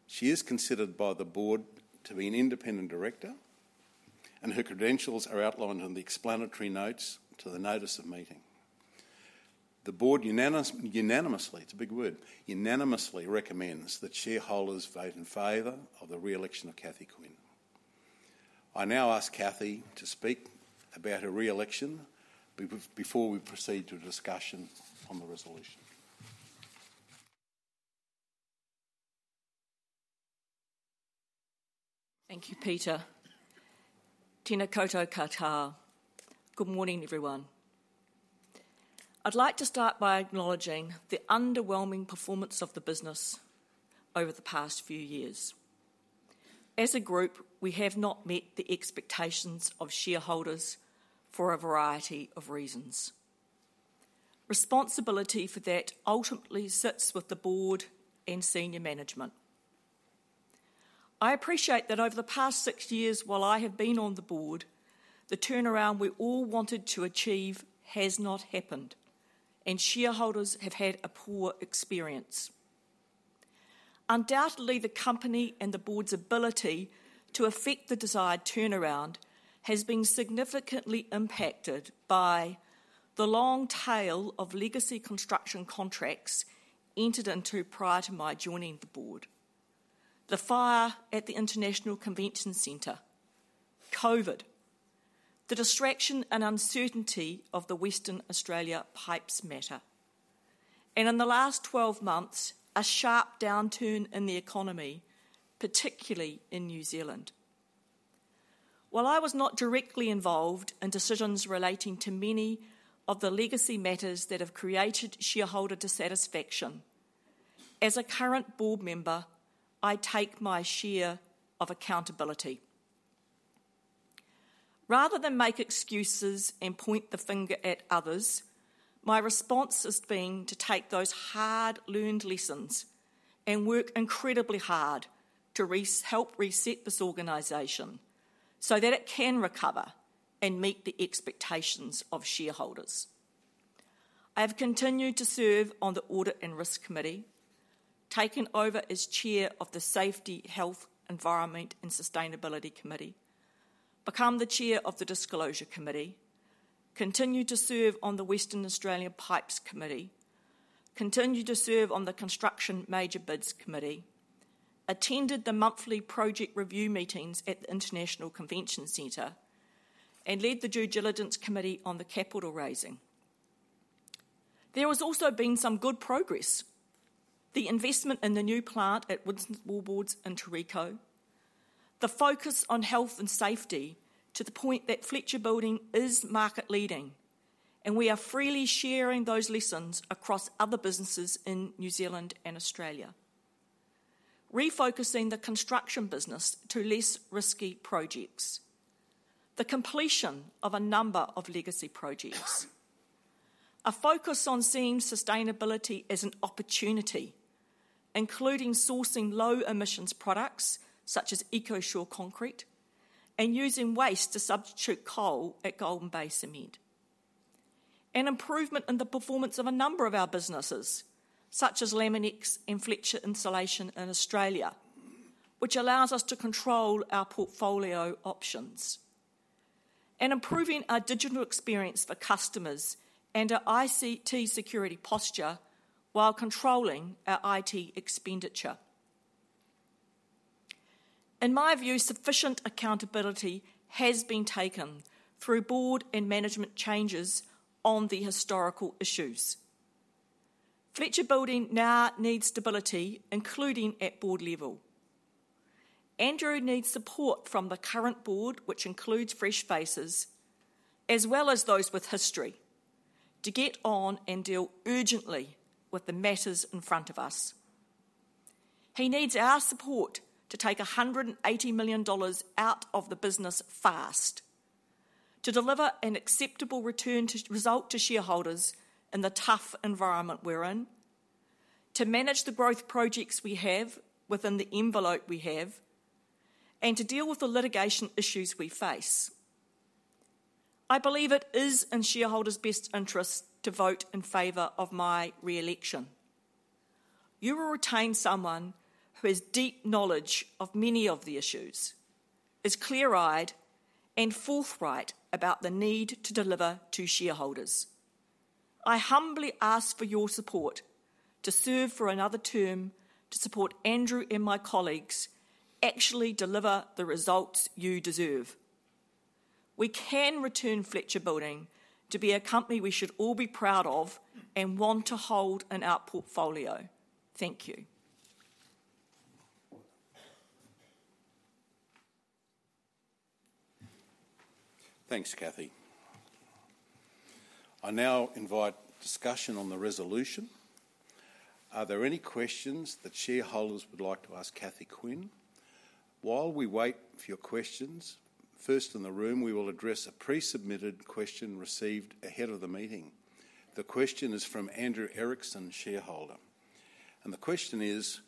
She is considered by the board to be an independent director, and her credentials are outlined in the explanatory notes to the notice of meeting. The board unanimously, it's a big word, unanimously recommends that shareholders vote in favor of the reelection of Cathy Quinn. I now ask Cathy to speak about her reelection before we proceed to a discussion on the resolution. Thank you, Peter. Tena koutou katoa. Good morning, everyone. I'd like to start by acknowledging the underwhelming performance of the business over the past few years. As a group, we have not met the expectations of shareholders for a variety of reasons. Responsibility for that ultimately sits with the board and senior management. I appreciate that over the past six years, while I have been on the board, the turnaround we all wanted to achieve has not happened, and shareholders have had a poor experience. Undoubtedly, the company and the board's ability to effect the desired turnaround has been significantly impacted by the long tail of legacy construction contracts entered into prior to my joining the board, the fire at the International Convention Center, COVID, the distraction and uncertainty of the Western Australia pipes matter, and in the last twelve months, a sharp downturn in the economy, particularly in New Zealand. While I was not directly involved in decisions relating to many of the legacy matters that have created shareholder dissatisfaction, as a current board member, I take my share of accountability. Rather than make excuses and point the finger at others, my response has been to take those hard-learned lessons and work incredibly hard to help reset this organization so that it can recover and meet the expectations of shareholders. I have continued to serve on the Audit and Risk Committee, taken over as Chair of the Safety, Health, Environment, and Sustainability Committee, become the Chair of the Disclosure Committee, continued to serve on the Western Australia Pipes Committee, continued to serve on the Construction Major Bids Committee, attended the monthly project review meetings at the International Convention Center, and led the Due Diligence Committee on the capital raising. There has also been some good progress: the investment in the new plant at Winstone Wallboards in Tauriko, the focus on health and safety to the point that Fletcher Building is market-leading, and we are freely sharing those lessons across other businesses in New Zealand and Australia. Refocusing the construction business to less risky projects. The completion of a number of legacy projects. A focus on seeing sustainability as an opportunity, including sourcing low-emissions products, such as EcoSure Concrete, and using waste to substitute coal at Golden Bay Cement. An improvement in the performance of a number of our businesses, such as Laminex and Fletcher Insulation in Australia, which allows us to control our portfolio options. And improving our digital experience for customers and our ICT security posture while controlling our IT expenditure. In my view, sufficient accountability has been taken through board and management changes on the historical issues.... Fletcher Building now needs stability, including at board level. Andrew needs support from the current board, which includes fresh faces, as well as those with history, to get on and deal urgently with the matters in front of us. He needs our support to take 180 million dollars out of the business fast, to deliver an acceptable return to result to shareholders in the tough environment we're in, to manage the growth projects we have within the envelope we have, and to deal with the litigation issues we face. I believe it is in shareholders' best interest to vote in favor of my re-election. You will retain someone who has deep knowledge of many of the issues, is clear-eyed and forthright about the need to deliver to shareholders. I humbly ask for your support to serve for another term, to support Andrew and my colleagues actually deliver the results you deserve. We can return Fletcher Building to be a company we should all be proud of and want to hold in our portfolio. Thank you. Thanks, Cathy. I now invite discussion on the resolution. Are there any questions that shareholders would like to ask Cathy Quinn? While we wait for your questions, first in the room, we will address a pre-submitted question received ahead of the meeting. The question is from Andrew Erickson, shareholder. And the question is: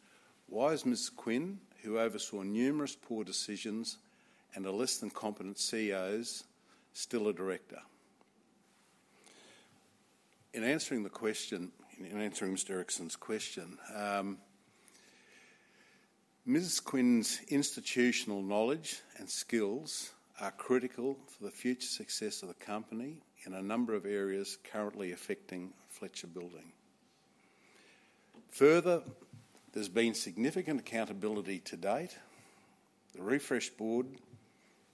Why is Ms. Quinn, who oversaw numerous poor decisions and a less than competent CEOs, still a director? In answering the question, in answering Mr. Erickson's question, Ms. Quinn's institutional knowledge and skills are critical for the future success of the company in a number of areas currently affecting Fletcher Building. Further, there's been significant accountability to date. The refreshed board,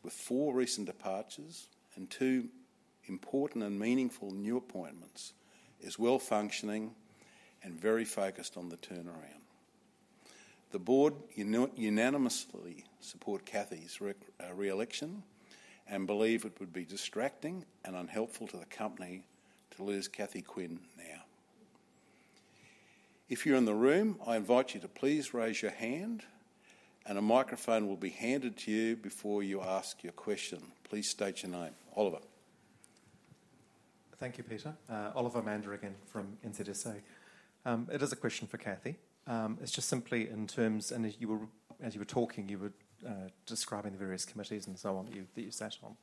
with four recent departures and two important and meaningful new appointments, is well-functioning and very focused on the turnaround. The board unanimously support Cathy's re-election, and believe it would be distracting and unhelpful to the company to lose Cathy Quinn now. If you're in the room, I invite you to please raise your hand, and a microphone will be handed to you before you ask your question. Please state your name. Oliver. Thank you, Peter. Oliver Mander again from NZSA. It is a question for Cathy. It's just simply in terms, and as you were talking, you were describing the various committees and so on, that you sat on.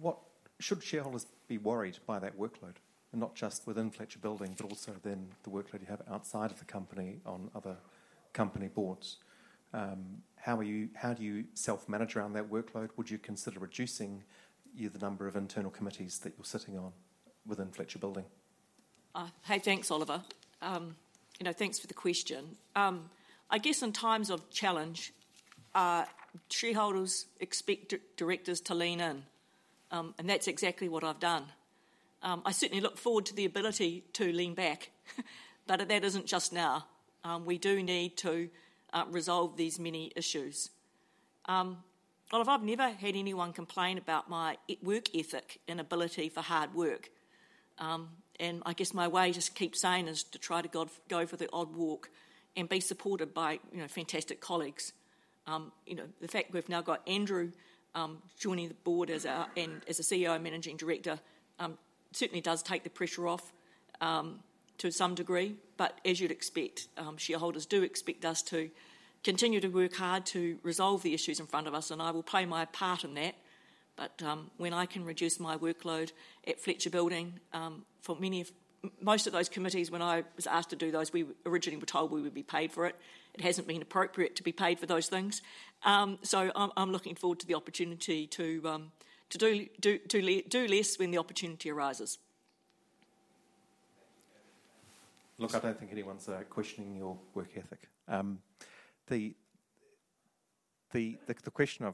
What should shareholders be worried by that workload, and not just within Fletcher Building, but also then the workload you have outside of the company on other company boards? How do you self-manage around that workload? Would you consider reducing the number of internal committees that you're sitting on within Fletcher Building? Hey, thanks, Oliver. You know, thanks for the question. I guess in times of challenge, shareholders expect directors to lean in, and that's exactly what I've done. I certainly look forward to the ability to lean back, but that isn't just now. We do need to resolve these many issues. Well, I've never had anyone complain about my work ethic and ability for hard work. And I guess my way, just keep sane, is to try to go for the odd walk and be supported by, you know, fantastic colleagues. You know, the fact we've now got Andrew joining the board as a CEO and Managing Director certainly does take the pressure off, to some degree. But as you'd expect, shareholders do expect us to continue to work hard to resolve the issues in front of us, and I will play my part in that. But, when I can reduce my workload at Fletcher Building, for many of... Most of those committees, when I was asked to do those, we originally were told we would be paid for it. It hasn't been appropriate to be paid for those things. So I'm looking forward to the opportunity to do less when the opportunity arises. Look, I don't think anyone's questioning your work ethic. The next question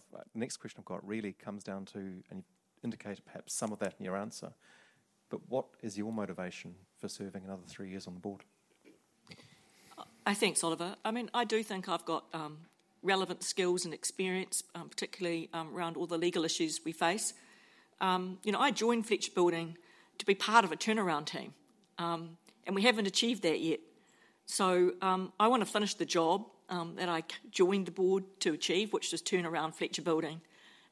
I've got really comes down to, and you indicated perhaps some of that in your answer, but what is your motivation for serving another three years on the board? Thanks, Oliver. I mean, I do think I've got relevant skills and experience, particularly around all the legal issues we face. You know, I joined Fletcher Building to be part of a turnaround team, and we haven't achieved that yet. So, I wanna finish the job that I joined the board to achieve, which is turn around Fletcher Building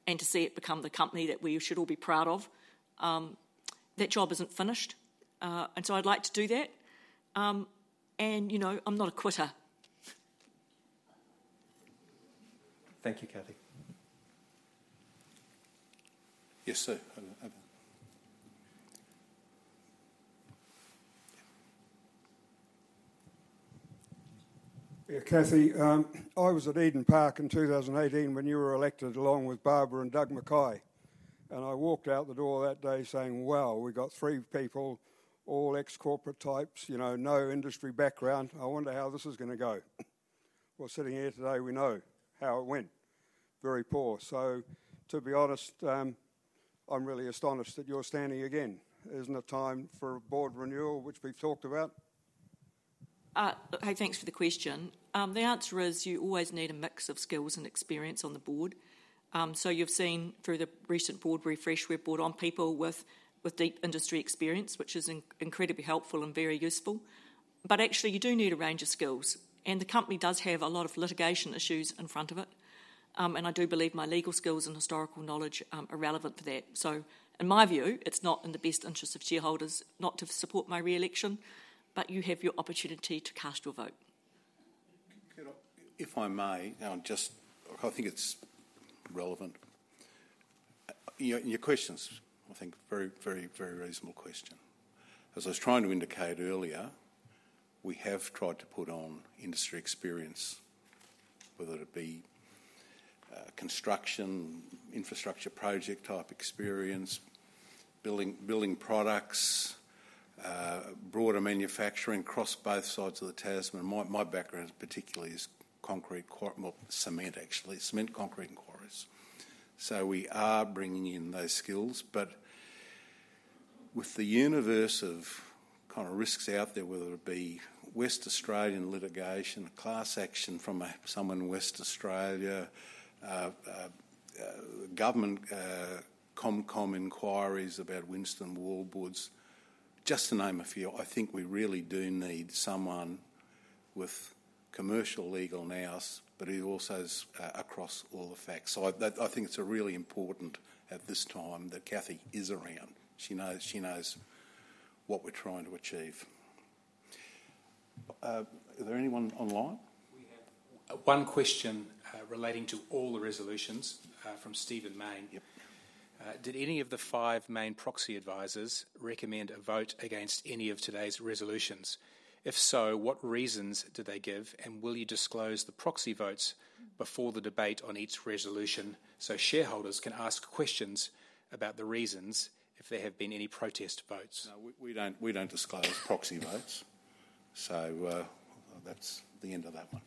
and to see it become the company that we should all be proud of. That job isn't finished, and so I'd like to do that. And you know, I'm not a quitter. Thank you, Cathy. Yes, sir. Over there. Yeah, Cathy, I was at Eden Park in 2018 when you were elected, along with Barbara and Doug McKay. I walked out the door that day saying, "Well, we got three people, all ex-corporate types, you know, no industry background. I wonder how this is gonna go?" Sitting here today, we know how it went: very poor. To be honest, I'm really astonished that you're standing again. Isn't it time for a board renewal, which we've talked about? Hey, thanks for the question. The answer is, you always need a mix of skills and experience on the board. So you've seen through the recent board refresh, we've brought on people with deep industry experience, which is incredibly helpful and very useful. But actually, you do need a range of skills, and the company does have a lot of litigation issues in front of it. And I do believe my legal skills and historical knowledge are relevant to that. So in my view, it's not in the best interest of shareholders not to support my re-election, but you have your opportunity to cast your vote. If I may, I think it's relevant. Your question's, I think, a very reasonable question. As I was trying to indicate earlier, we have tried to put on industry experience, whether it be construction, infrastructure project-type experience, building products, broader manufacturing across both sides of the Tasman. My background particularly is concrete. Well, cement, actually. Cement, concrete, and quarries. So we are bringing in those skills, but with the universe of kind of risks out there, whether it be Western Australian litigation, a class action from someone in Western Australia, government Commerce Commission inquiries about Winstone Wallboards, just to name a few, I think we really do need someone with commercial legal nous, but who also is across all the facts. So I think it's really important at this time that Cathy is around. She knows, she knows what we're trying to achieve. Is there anyone online? We have one question relating to all the resolutions from Stephen Mayne. Yep. Did any of the five main proxy advisors recommend a vote against any of today's resolutions? If so, what reasons did they give, and will you disclose the proxy votes before the debate on each resolution, so shareholders can ask questions about the reasons if there have been any protest votes? No, we don't disclose proxy votes. So, that's the end of that one.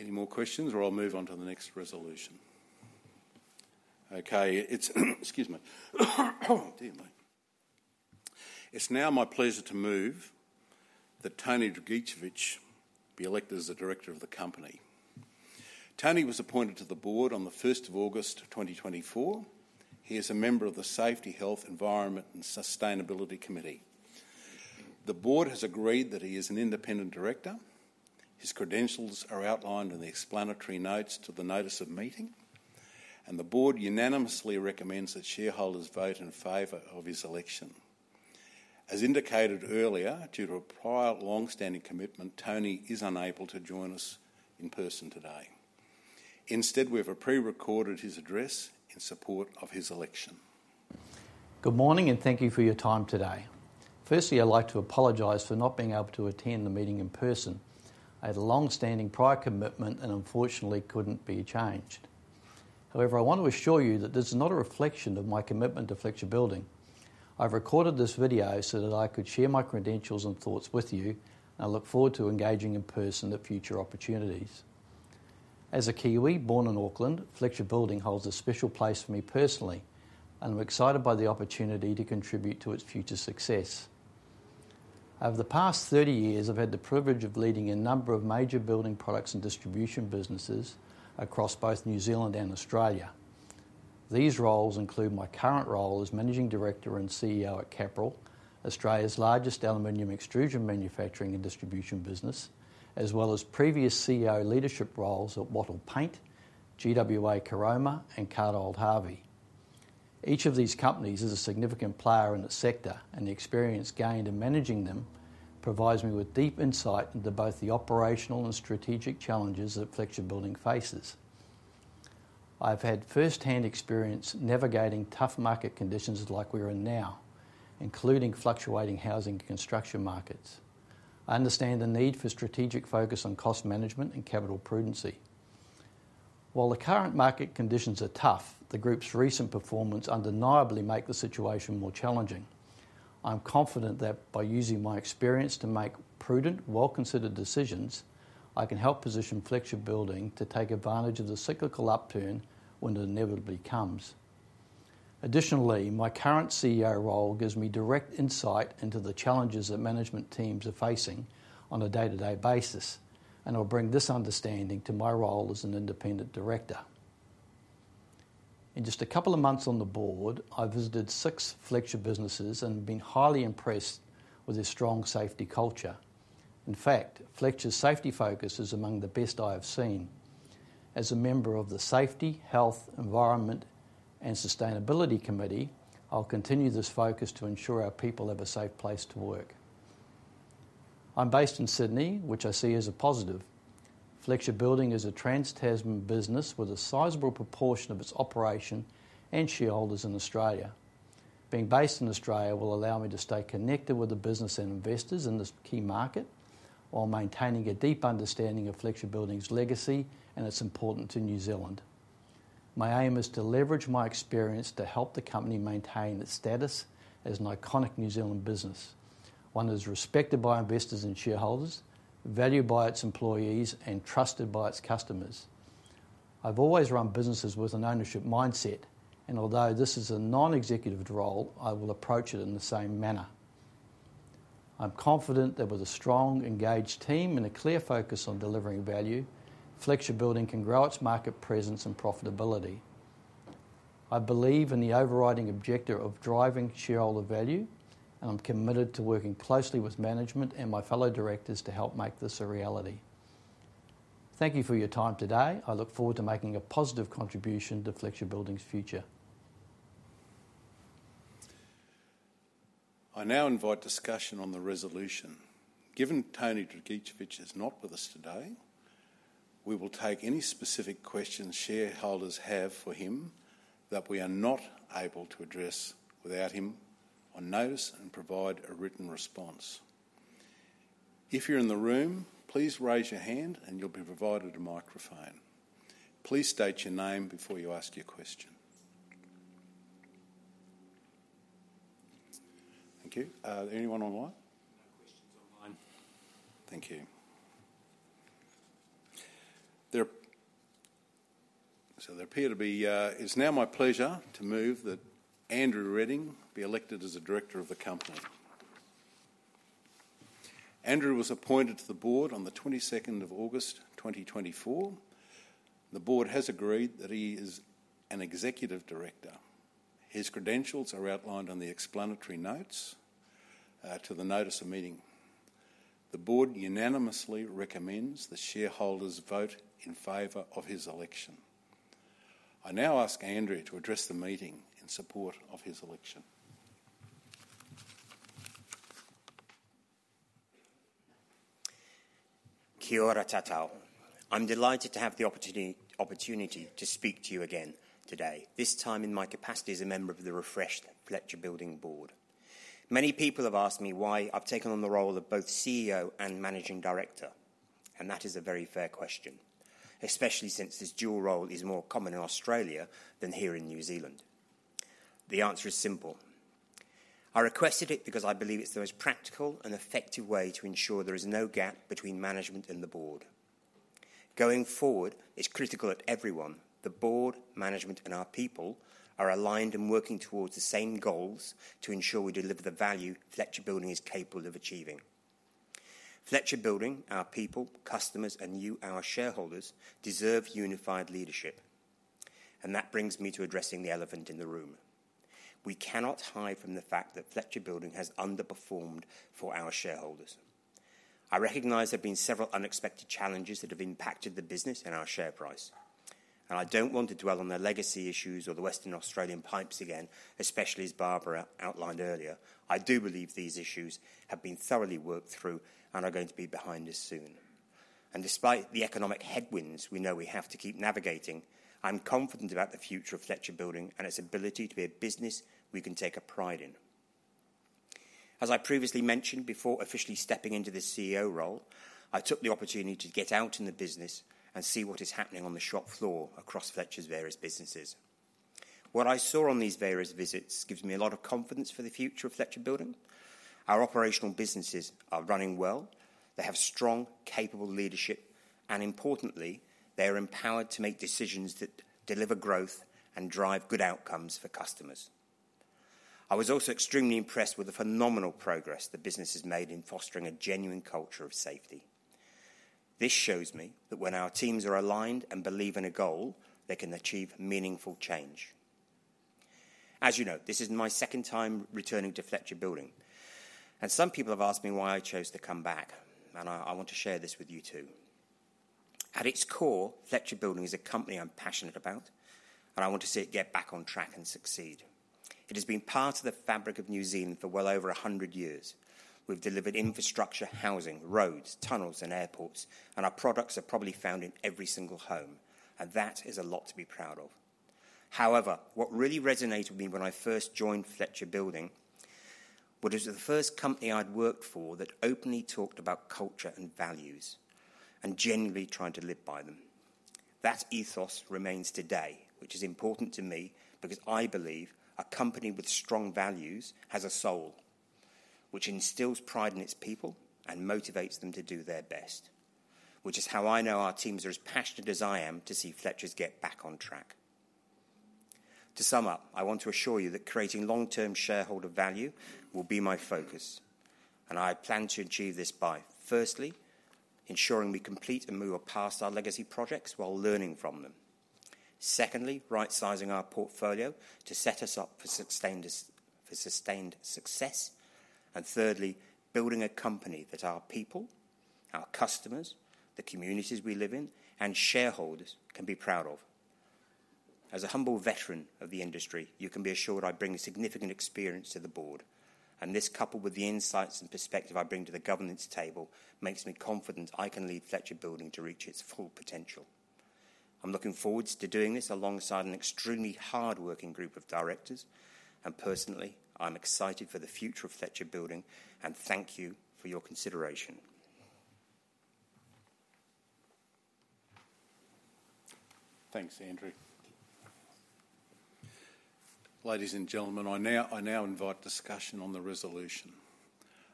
Any more questions, or I'll move on to the next resolution? Okay, it's now my pleasure to move that Tony Dragicevich be elected as a director of the company. Tony was appointed to the board on the 1st of August 2024. He is a member of the Safety, Health, Environment, and Sustainability Committee. The board has agreed that he is an independent director. His credentials are outlined in the explanatory notes to the notice of meeting, and the board unanimously recommends that shareholders vote in favor of his election. As indicated earlier, due to a prior long-standing commitment, Tony is unable to join us in person today. Instead, we have pre-recorded his address in support of his election. Good morning, and thank you for your time today. Firstly, I'd like to apologize for not being able to attend the meeting in person. I had a long-standing prior commitment and unfortunately couldn't be changed. However, I want to assure you that this is not a reflection of my commitment to Fletcher Building. I've recorded this video so that I could share my credentials and thoughts with you. I look forward to engaging in person at future opportunities. As a Kiwi born in Auckland, Fletcher Building holds a special place for me personally, and I'm excited by the opportunity to contribute to its future success. Over the past thirty years, I've had the privilege of leading a number of major building products and distribution businesses across both New Zealand and Australia. These roles include my current role as Managing Director and CEO at Capral, Australia's largest aluminum extrusion manufacturing and distribution business, as well as previous CEO leadership roles at Wattyl Paint, GWA Group, and Carter Holt Harvey. Each of these companies is a significant player in the sector, and the experience gained in managing them provides me with deep insight into both the operational and strategic challenges that Fletcher Building faces. I've had firsthand experience navigating tough market conditions like we're in now, including fluctuating housing construction markets. I understand the need for strategic focus on cost management and capital prudence. While the current market conditions are tough, the group's recent performance undeniably make the situation more challenging. I'm confident that by using my experience to make prudent, well-considered decisions, I can help position Fletcher Building to take advantage of the cyclical upturn when it inevitably comes. Additionally, my current CEO role gives me direct insight into the challenges that management teams are facing on a day-to-day basis, and I'll bring this understanding to my role as an independent director. In just a couple of months on the board, I visited six Fletcher businesses and have been highly impressed with their strong safety culture. In fact, Fletcher's safety focus is among the best I have seen. As a member of the Safety, Health, Environment, and Sustainability Committee, I'll continue this focus to ensure our people have a safe place to work. I'm based in Sydney, which I see as a positive. Fletcher Building is a trans-Tasman business with a sizable proportion of its operation and shareholders in Australia. Being based in Australia will allow me to stay connected with the business and investors in this key market, while maintaining a deep understanding of Fletcher Building's legacy and its importance in New Zealand. My aim is to leverage my experience to help the company maintain its status as an iconic New Zealand business. One that is respected by investors and shareholders, valued by its employees, and trusted by its customers. I've always run businesses with an ownership mindset, and although this is a non-executive role, I will approach it in the same manner. I'm confident that with a strong, engaged team and a clear focus on delivering value, Fletcher Building can grow its market presence and profitability. I believe in the overriding objective of driving shareholder value, and I'm committed to working closely with management and my fellow directors to help make this a reality. Thank you for your time today. I look forward to making a positive contribution to Fletcher Building's future. I now invite discussion on the resolution. Given Tony Dragicevich is not with us today, we will take any specific questions shareholders have for him that we are not able to address without him on notice and provide a written response. If you're in the room, please raise your hand and you'll be provided a microphone. Please state your name before you ask your question. Thank you. Anyone online? No questions online. Thank you. It's now my pleasure to move that Andrew Reding be elected as a director of the company. Andrew was appointed to the board on the twenty-second of August, 2024. The board has agreed that he is an executive director. His credentials are outlined on the explanatory notes to the notice of meeting. The board unanimously recommends the shareholders vote in favor of his election. I now ask Andrew to address the meeting in support of his election. Kia ora tātou. I'm delighted to have the opportunity to speak to you again today. This time in my capacity as a member of the refreshed Fletcher Building board. Many people have asked me why I've taken on the role of both CEO and Managing Director, and that is a very fair question, especially since this dual role is more common in Australia than here in New Zealand. The answer is simple: I requested it because I believe it's the most practical and effective way to ensure there is no gap between management and the board. Going forward, it's critical that everyone, the board, management, and our people, are aligned and working towards the same goals to ensure we deliver the value Fletcher Building is capable of achieving. Fletcher Building, our people, customers, and you, our shareholders, deserve unified leadership, and that brings me to addressing the elephant in the room. We cannot hide from the fact that Fletcher Building has underperformed for our shareholders. I recognize there have been several unexpected challenges that have impacted the business and our share price, and I don't want to dwell on the legacy issues or the Western Australian pipes again, especially as Barbara outlined earlier. I do believe these issues have been thoroughly worked through and are going to be behind us soon. And despite the economic headwinds we know we have to keep navigating, I'm confident about the future of Fletcher Building and its ability to be a business we can take a pride in. As I previously mentioned, before officially stepping into this CEO role, I took the opportunity to get out in the business and see what is happening on the shop floor across Fletcher's various businesses. What I saw on these various visits gives me a lot of confidence for the future of Fletcher Building. Our operational businesses are running well. They have strong, capable leadership, and importantly, they are empowered to make decisions that deliver growth and drive good outcomes for customers. I was also extremely impressed with the phenomenal progress the business has made in fostering a genuine culture of safety. This shows me that when our teams are aligned and believe in a goal, they can achieve meaningful change. As you know, this is my second time returning to Fletcher Building, and some people have asked me why I chose to come back, and I want to share this with you, too. At its core, Fletcher Building is a company I'm passionate about, and I want to see it get back on track and succeed. It has been part of the fabric of New Zealand for well over a hundred years. We've delivered infrastructure, housing, roads, tunnels, and airports, and our products are probably found in every single home, and that is a lot to be proud of. However, what really resonated with me when I first joined Fletcher Building was it was the first company I'd worked for that openly talked about culture and values and genuinely tried to live by them. That ethos remains today, which is important to me because I believe a company with strong values has a soul, which instills pride in its people and motivates them to do their best, which is how I know our teams are as passionate as I am to see Fletcher's get back on track. To sum up, I want to assure you that creating long-term shareholder value will be my focus, and I plan to achieve this by, firstly, ensuring we complete and move up past our legacy projects while learning from them. Secondly, right-sizing our portfolio to set us up for sustained success. And thirdly, building a company that our people, our customers, the communities we live in, and shareholders can be proud of. As a humble veteran of the industry, you can be assured I bring significant experience to the board, and this, coupled with the insights and perspective I bring to the governance table, makes me confident I can lead Fletcher Building to reach its full potential. I'm looking forward to doing this alongside an extremely hardworking group of directors, and personally, I'm excited for the future of Fletcher Building, and thank you for your consideration.... Thanks, Andrew. Ladies and gentlemen, I now invite discussion on the resolution.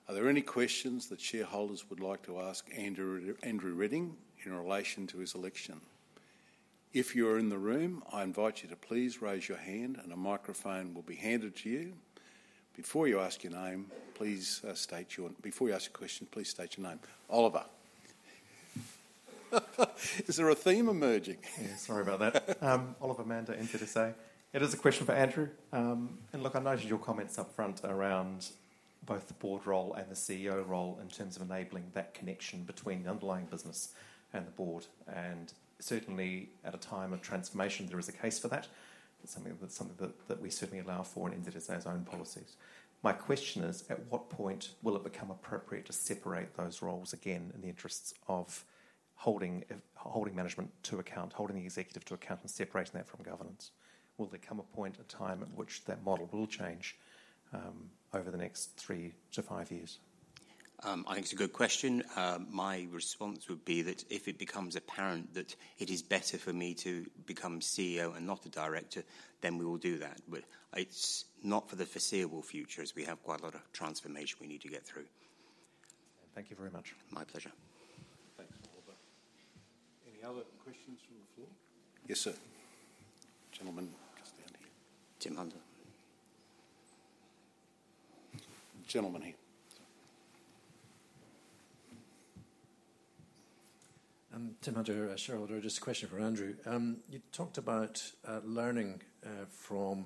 Are there any questions that shareholders would like to ask Andrew Reding in relation to his election? If you're in the room, I invite you to please raise your hand, and a microphone will be handed to you. Before you ask a question, please state your name. Oliver. Is there a theme emerging? Yeah, sorry about that. Oliver Mander, NZSA. It is a question for Andrew. And look, I noted your comments up front around both the board role and the CEO role in terms of enabling that connection between the underlying business and the board, and certainly at a time of transformation, there is a case for that. That's something that we certainly allow for in NZSA's own policies. My question is, at what point will it become appropriate to separate those roles again in the interests of holding management to account, holding the executive to account, and separating that from governance? Will there come a point, a time at which that model will change over the next three to five years? I think it's a good question. My response would be that if it becomes apparent that it is better for me to become CEO and not a director, then we will do that. But it's not for the foreseeable future, as we have quite a lot of transformation we need to get through. Thank you very much. My pleasure. Thanks, Oliver. Any other questions from the floor? Yes, sir. Gentleman just down here. Tim Hunter. Gentleman here. Tim Hunter, ShareholdV. Just a question for Andrew. You talked about learning from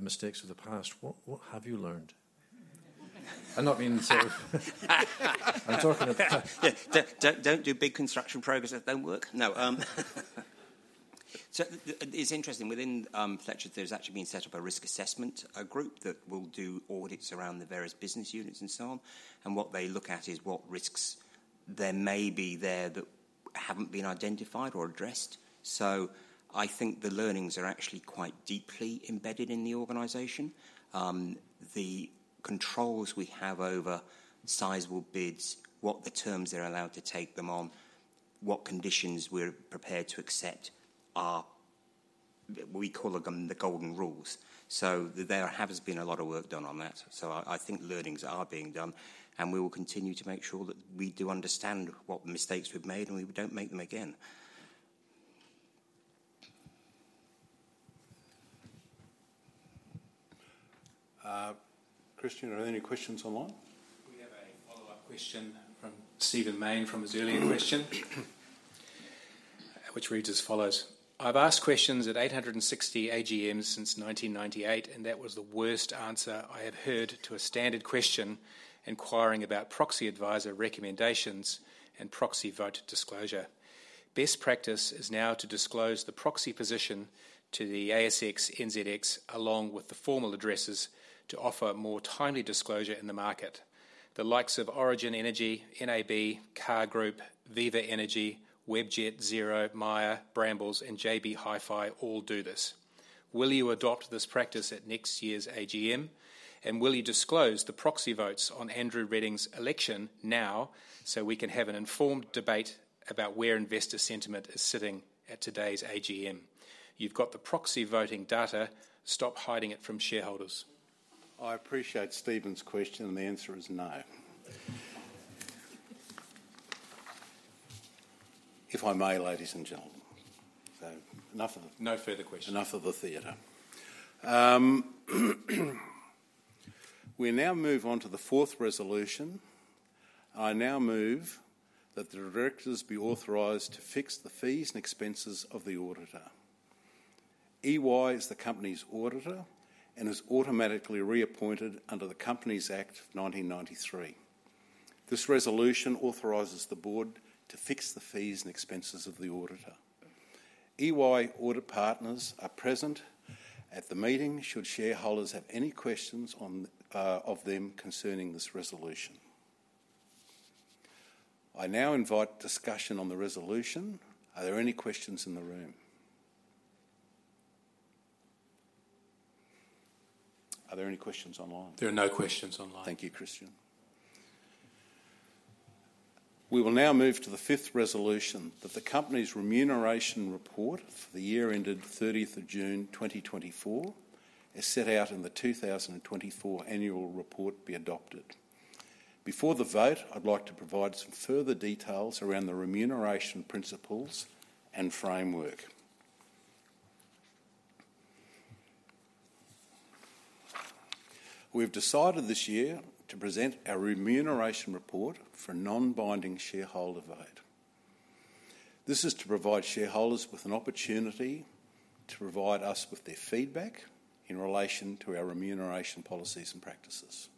mistakes of the past. What have you learned? I'm talking of- Yeah. Don't, don't do big construction programs that don't work? No, so it's interesting, within Fletcher, there's actually been set up a risk assessment, a group that will do audits around the various business units and so on, and what they look at is what risks there may be there that haven't been identified or addressed. So I think the learnings are actually quite deeply embedded in the organization. The controls we have over sizable bids, what the terms they're allowed to take them on, what conditions we're prepared to accept are... We call them the golden rules. So there has been a lot of work done on that, so I think learnings are being done, and we will continue to make sure that we do understand what mistakes we've made, and we don't make them again. Christian, are there any questions online? We have a follow-up question from Stephen Mayne from his earlier question, which reads as follows: "I've asked questions at 860 AGMs since 1998, and that was the worst answer I have heard to a standard question inquiring about proxy advisor recommendations and proxy vote disclosure. Best practice is now to disclose the proxy position to the ASX, NZX, along with the formal addresses, to offer more timely disclosure in the market. The likes of Origin Energy, NAB, CAR Group, Viva Energy, Webjet, Xero, Myer, Brambles, and JB Hi-Fi all do this. Will you adopt this practice at next year's AGM, and will you disclose the proxy votes on Andrew Reding's election now, so we can have an informed debate about where investor sentiment is sitting at today's AGM? You've got the proxy voting data; stop hiding it from shareholders. I appreciate Steven's question, and the answer is no. If I may, ladies and gentlemen, so enough of the- No further questions. Enough of the theater. We now move on to the fourth resolution. I now move that the directors be authorized to fix the fees and expenses of the auditor. EY is the company's auditor and is automatically reappointed under the Companies Act of 1993. This resolution authorizes the board to fix the fees and expenses of the auditor. EY audit partners are present at the meeting should shareholders have any questions on of them concerning this resolution. I now invite discussion on the resolution. Are there any questions in the room? Are there any questions online? There are no questions online. Thank you, Christian. We will now move to the fifth resolution, that the company's remuneration report for the year ended thirtieth of June 2024, as set out in the 2024 annual report, be adopted. Before the vote, I'd like to provide some further details around the remuneration principles and framework. We've decided this year to present our remuneration report for a non-binding shareholder vote. This is to provide shareholders with an opportunity to provide us with their feedback in relation to our remuneration policies and practices.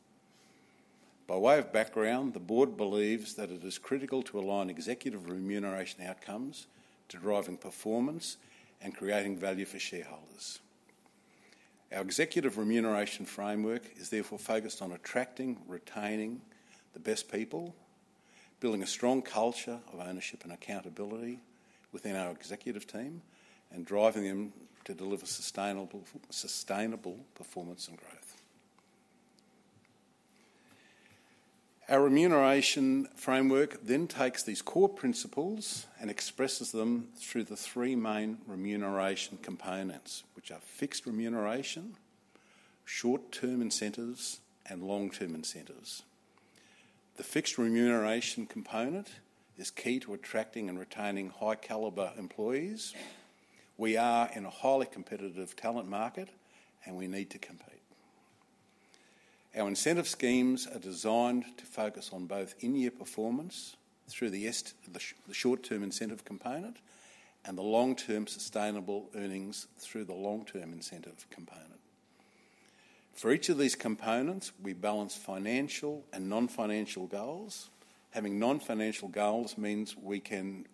By way of background, the board believes that it is critical to align executive remuneration outcomes to driving performance and creating value for shareholders. Our executive remuneration framework is therefore focused on attracting, retaining the best people, building a strong culture of ownership and accountability within our executive team, and driving them to deliver sustainable performance and growth.... Our remuneration framework then takes these core principles and expresses them through the three main remuneration components, which are fixed remuneration, short-term incentives, and long-term incentives. The fixed remuneration component is key to attracting and retaining high-caliber employees. We are in a highly competitive talent market, and we need to compete. Our incentive schemes are designed to focus on both in-year performance through the short-term incentive component, and the long-term sustainable earnings through the long-term incentive component. For each of these components, we balance financial and non-financial goals. Having non-financial goals means we can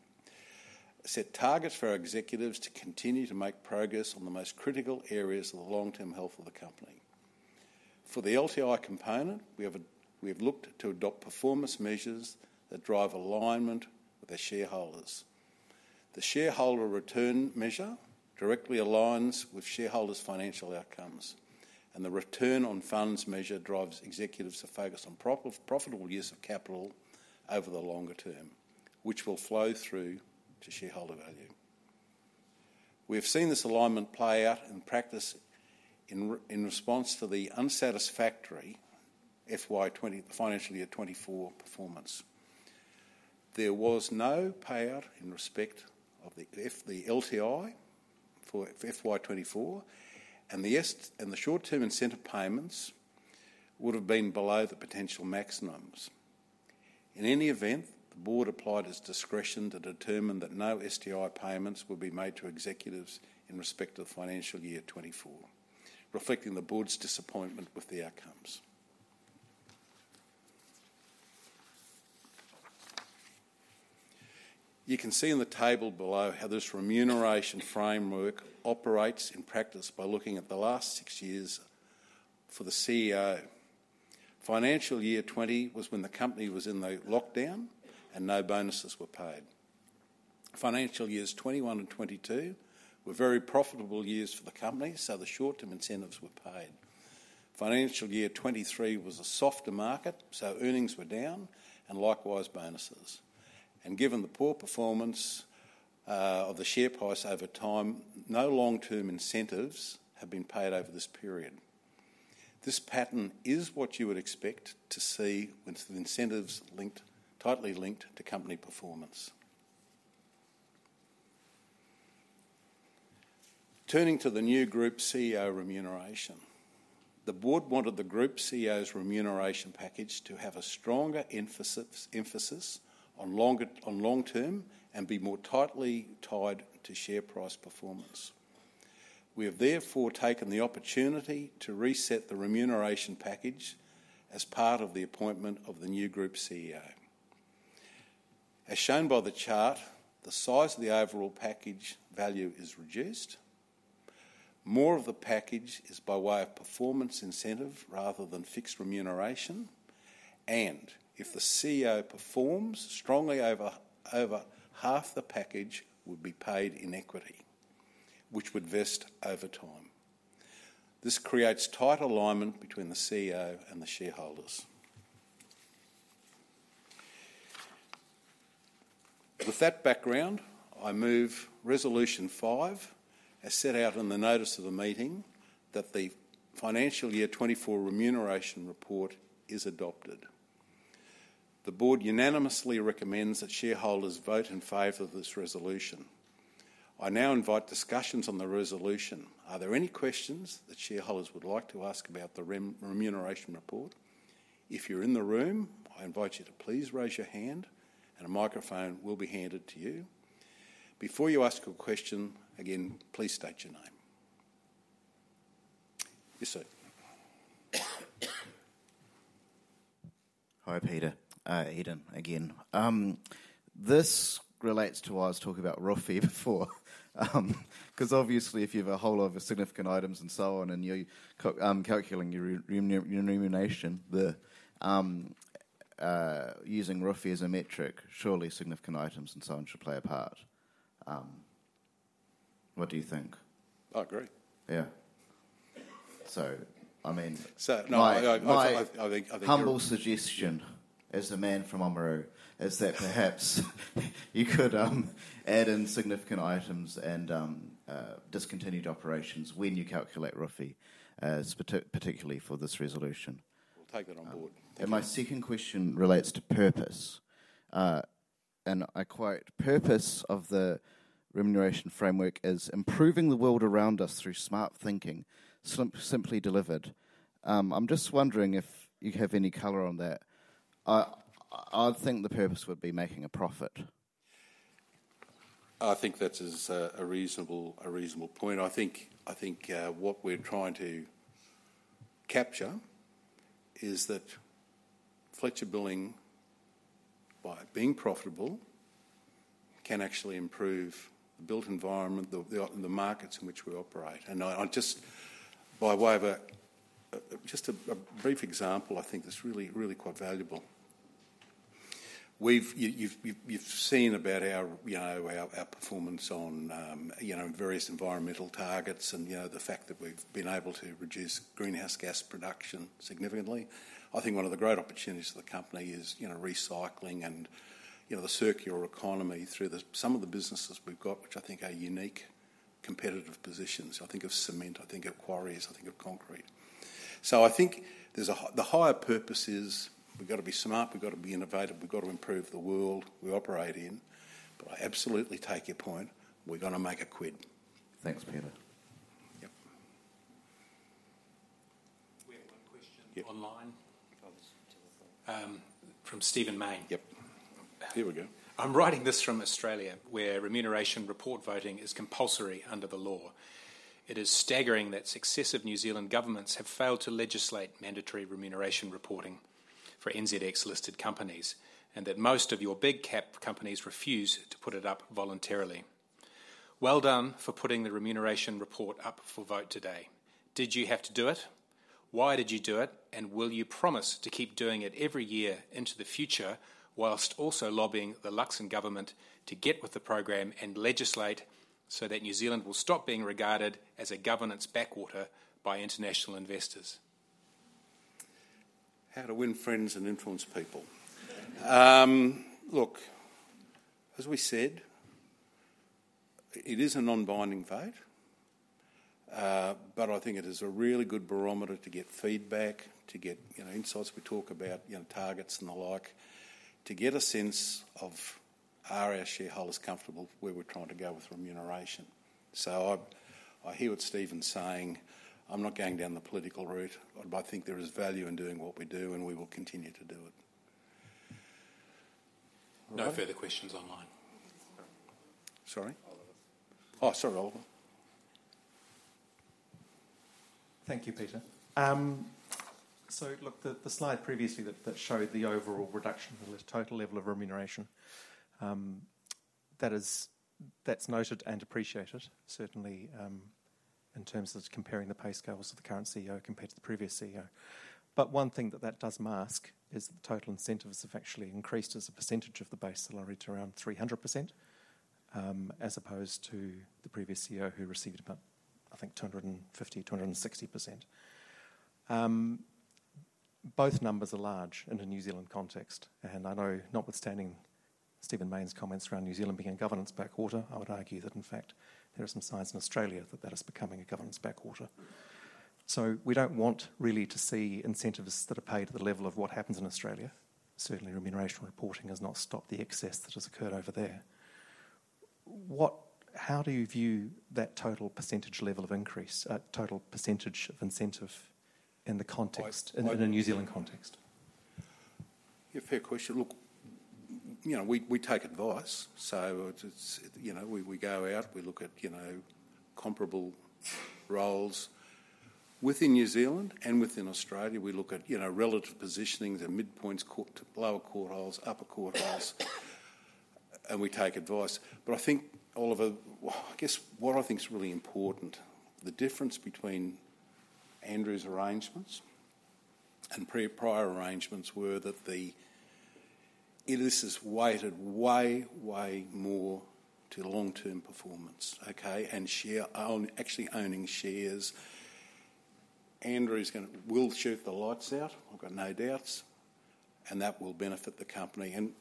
set targets for our executives to continue to make progress on the most critical areas of the long-term health of the company. For the LTI component, we have looked to adopt performance measures that drive alignment with our shareholders. The shareholder return measure directly aligns with shareholders' financial outcomes, and the return on funds measure drives executives to focus on profitable use of capital over the longer term, which will flow through to shareholder value. We have seen this alignment play out in practice in response to the unsatisfactory FY twenty-four financial year twenty-four performance. There was no payout in respect of the LTI for FY twenty-four, and the short-term incentive payments would have been below the potential maximums. In any event, the board applied its discretion to determine that no STI payments would be made to executives in respect to the financial year twenty-four, reflecting the board's disappointment with the outcomes. You can see in the table below how this remuneration framework operates in practice by looking at the last six years for the CEO. Financial year 2020 was when the company was in the lockdown, and no bonuses were paid. Financial years 2021 and 2022 were very profitable years for the company, so the short-term incentives were paid. Financial year 2023 was a softer market, so earnings were down and likewise, bonuses, and given the poor performance of the share price over time, no long-term incentives have been paid over this period. This pattern is what you would expect to see when the incentives are tightly linked to company performance. Turning to the new group CEO remuneration. The board wanted the group CEO's remuneration package to have a stronger emphasis on long term and be more tightly tied to share price performance. We have therefore taken the opportunity to reset the remuneration package as part of the appointment of the new group CEO. As shown by the chart, the size of the overall package value is reduced. More of the package is by way of performance incentive rather than fixed remuneration, and if the CEO performs strongly over half the package would be paid in equity, which would vest over time. This creates tight alignment between the CEO and the shareholders. With that background, I move Resolution Five, as set out in the notice of the meeting, that the Financial Year 2024 Remuneration Report is adopted. The board unanimously recommends that shareholders vote in favor of this resolution. I now invite discussions on the resolution. Are there any questions that shareholders would like to ask about the remuneration report? If you're in the room, I invite you to please raise your hand, and a microphone will be handed to you. Before you ask a question, again, please state your name. Yes, sir. Hi, Peter. Eden again. This relates to what I was talking about ROFE before. 'Cause obviously, if you have a whole lot of significant items and so on, and you're calculating your remuneration, using ROFE as a metric, surely significant items and so on should play a part. What do you think? I agree. Yeah, so I mean- So no, I think-... my humble suggestion, as a man from Oamaru, is that perhaps you could add in significant items and discontinued operations when you calculate ROFE, particularly for this resolution. We'll take that on board. And my second question relates to purpose. And I quote, "Purpose of the remuneration framework is improving the world around us through smart thinking, simply delivered." I'm just wondering if you have any color on that. I think the purpose would be making a profit. I think that is a reasonable point. I think what we're trying to capture is that Fletcher Building, by being profitable, can actually improve the built environment, the markets in which we operate. And I just by way of a brief example, I think that's really quite valuable. You've seen our performance on, you know, various environmental targets and, you know, the fact that we've been able to reduce greenhouse gas production significantly. I think one of the great opportunities for the company is, you know, recycling and, you know, the circular economy through some of the businesses we've got, which I think are unique, competitive positions. I think of cement, I think of quarries, I think of concrete. So I think there's a higher purpose is we've got to be smart, we've got to be innovative, we've got to improve the world we operate in. But I absolutely take your point. We're gonna make a quid. Thanks, Peter. Yep. We have one question- Yep... online, from Stephen Mayne. Yep. Here we go. I'm writing this from Australia, where remuneration report voting is compulsory under the law. It is staggering that successive New Zealand governments have failed to legislate mandatory remuneration reporting for NZX-listed companies, and that most of your big cap companies refuse to put it up voluntarily. Well done for putting the remuneration report up for vote today. Did you have to do it? Why did you do it? And will you promise to keep doing it every year into the future, whilst also lobbying the Luxon government to get with the program and legislate so that New Zealand will stop being regarded as a governance backwater by international investors? How to win friends and influence people. Look, as we said, it is a non-binding vote. But I think it is a really good barometer to get feedback, to get, you know, insights. We talk about, you know, targets and the like, to get a sense of, are our shareholders comfortable where we're trying to go with remuneration? So I, I hear what Stephen's saying. I'm not going down the political route, but I think there is value in doing what we do, and we will continue to do it. No further questions online. Sorry? Oliver. Oh, sorry, Oliver. Thank you, Peter. So look, the slide previously that showed the overall reduction in the total level of remuneration, that is, that's noted and appreciated, certainly, in terms of comparing the pay scales of the current CEO compared to the previous CEO. But one thing that that does mask is the total incentives have actually increased as a percentage of the base salary to around 300%, as opposed to the previous CEO, who received about, I think, 250-260%. Both numbers are large in a New Zealand context, and I know, notwithstanding Stephen Mayne's comments around New Zealand being a governance backwater, I would argue that, in fact, there are some signs in Australia that that is becoming a governance backwater. So we don't want really to see incentives that are paid at the level of what happens in Australia. Certainly, remuneration reporting has not stopped the excess that has occurred over there. What? How do you view that total percentage level of increase, total percentage of incentive in the context- I, I-... in a New Zealand context? Yeah, fair question. Look, you know, we take advice. So it's... You know, we go out, we look at, you know, comparable roles within New Zealand and within Australia. We look at, you know, relative positionings and midpoints, lower quartiles, upper quartiles, and we take advice. But I think, Oliver, well, I guess what I think is really important, the difference between Andrew's arrangements and prior arrangements were that the... it is weighted way more to the long-term performance, okay? And share owner actually owning shares. Andrew will shoot the lights out. I've got no doubts, and that will benefit the company, and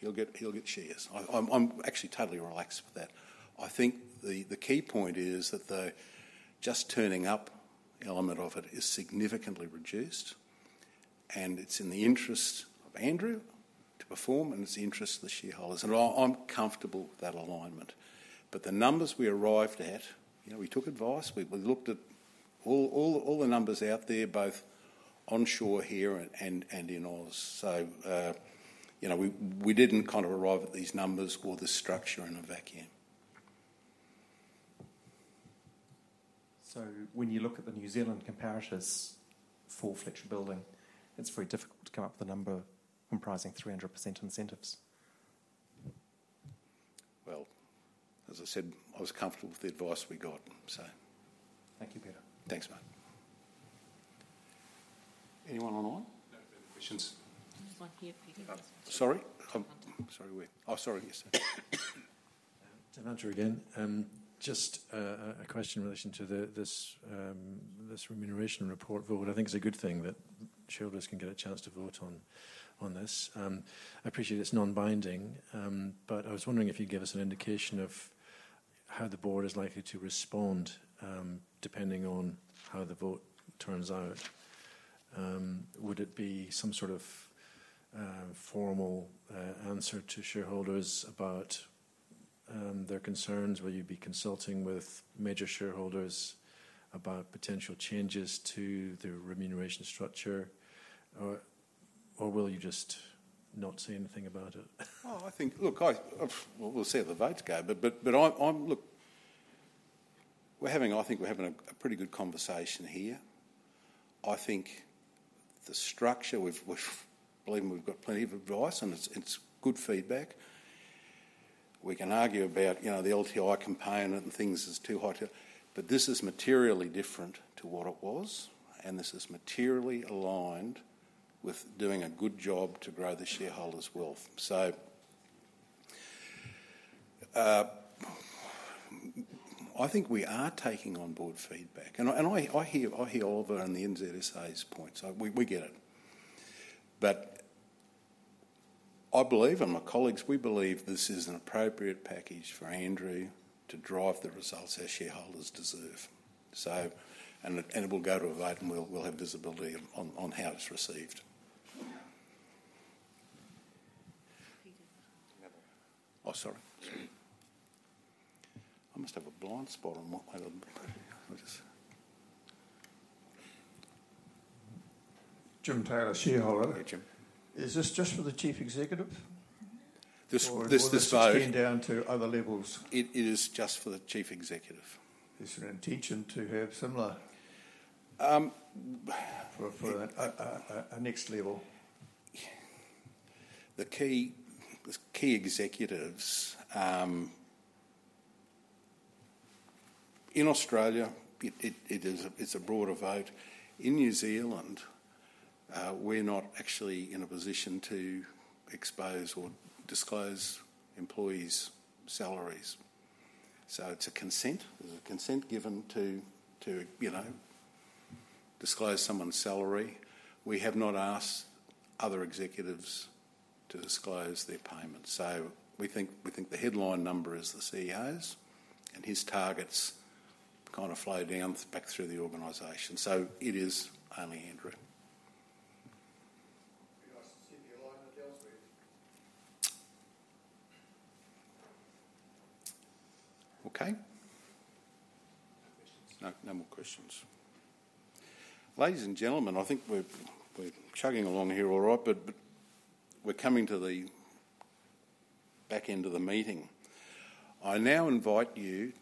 he'll get shares. I'm actually totally relaxed with that. I think the key point is that the just turning up element of it is significantly reduced, and it's in the interest of Andrew to perform, and it's in the interest of the shareholders, and I'm comfortable with that alignment. But the numbers we arrived at, you know, we took advice. We looked at all the numbers out there, both onshore here and in Aus. So, you know, we didn't kind of arrive at these numbers or the structure in a vacuum. So when you look at the New Zealand comparators for Fletcher Building, it's very difficult to come up with a number comprising 300% incentives. As I said, I was comfortable with the advice we got, so. Thank you, Peter. Thanks, mate. Anyone online? No further questions. There's one here, Peter. Uh, sorry? Hunter. Sorry, where? Oh, sorry, yes. Hunter again. Just a question in relation to this remuneration report vote. I think it's a good thing that shareholders can get a chance to vote on this. I appreciate it's non-binding, but I was wondering if you'd give us an indication of how the board is likely to respond depending on how the vote turns out. Would it be some sort of formal answer to shareholders about their concerns? Will you be consulting with major shareholders about potential changes to the remuneration structure, or will you just not say anything about it? Oh, I think. Look, I, well, we'll see how the votes go. But I, I'm. Look, we're having, I think, a pretty good conversation here. I think the structure, we've believe me, got plenty of advice, and it's good feedback. We can argue about, you know, the LTI component and things is too high to, but this is materially different to what it was, and this is materially aligned with doing a good job to grow the shareholders' wealth. So, I think we are taking on board feedback, and I hear Oliver and the NZSA's point, so we get it. But I believe, and my colleagues, we believe this is an appropriate package for Andrew to drive the results our shareholders deserve. So, we'll go to a vote, and we'll have visibility on how it's received. Peter. Oh, sorry. I must have a blind spot on my, which is- Jim Taylor, shareholder. Hey, Jim. Is this just for the Chief Executive? This vote- Or will this extend down to other levels? It is just for the Chief Executive. Is there an intention to have similar- Um- For a next level? The key executives in Australia, it's a broader vote. In New Zealand, we're not actually in a position to expose or disclose employees' salaries. So it's a consent. There's a consent given to you know, disclose someone's salary. We have not asked other executives to disclose their payments, so we think the headline number is the CEO's, and his targets kind of flow down back through the organization. So it is only Andrew. Can I see the light in the downstairs, please? Okay. No more questions. No, no more questions. Ladies and gentlemen, I think we're chugging along here all right, but we're coming to the back end of the meeting. I now invite you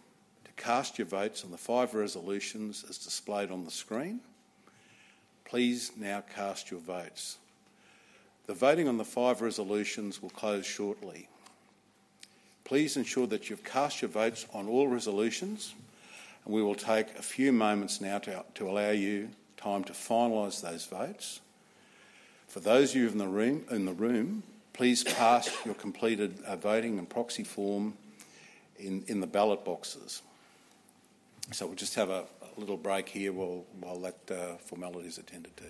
to cast your votes on the five resolutions as displayed on the screen. Please now cast your votes. The voting on the five resolutions will close shortly. Please ensure that you've cast your votes on all resolutions, and we will take a few moments now to allow you time to finalize those votes. For those of you in the room, please pass your completed voting and proxy form in the ballot boxes. So we'll just have a little break here while that formalities are attended to.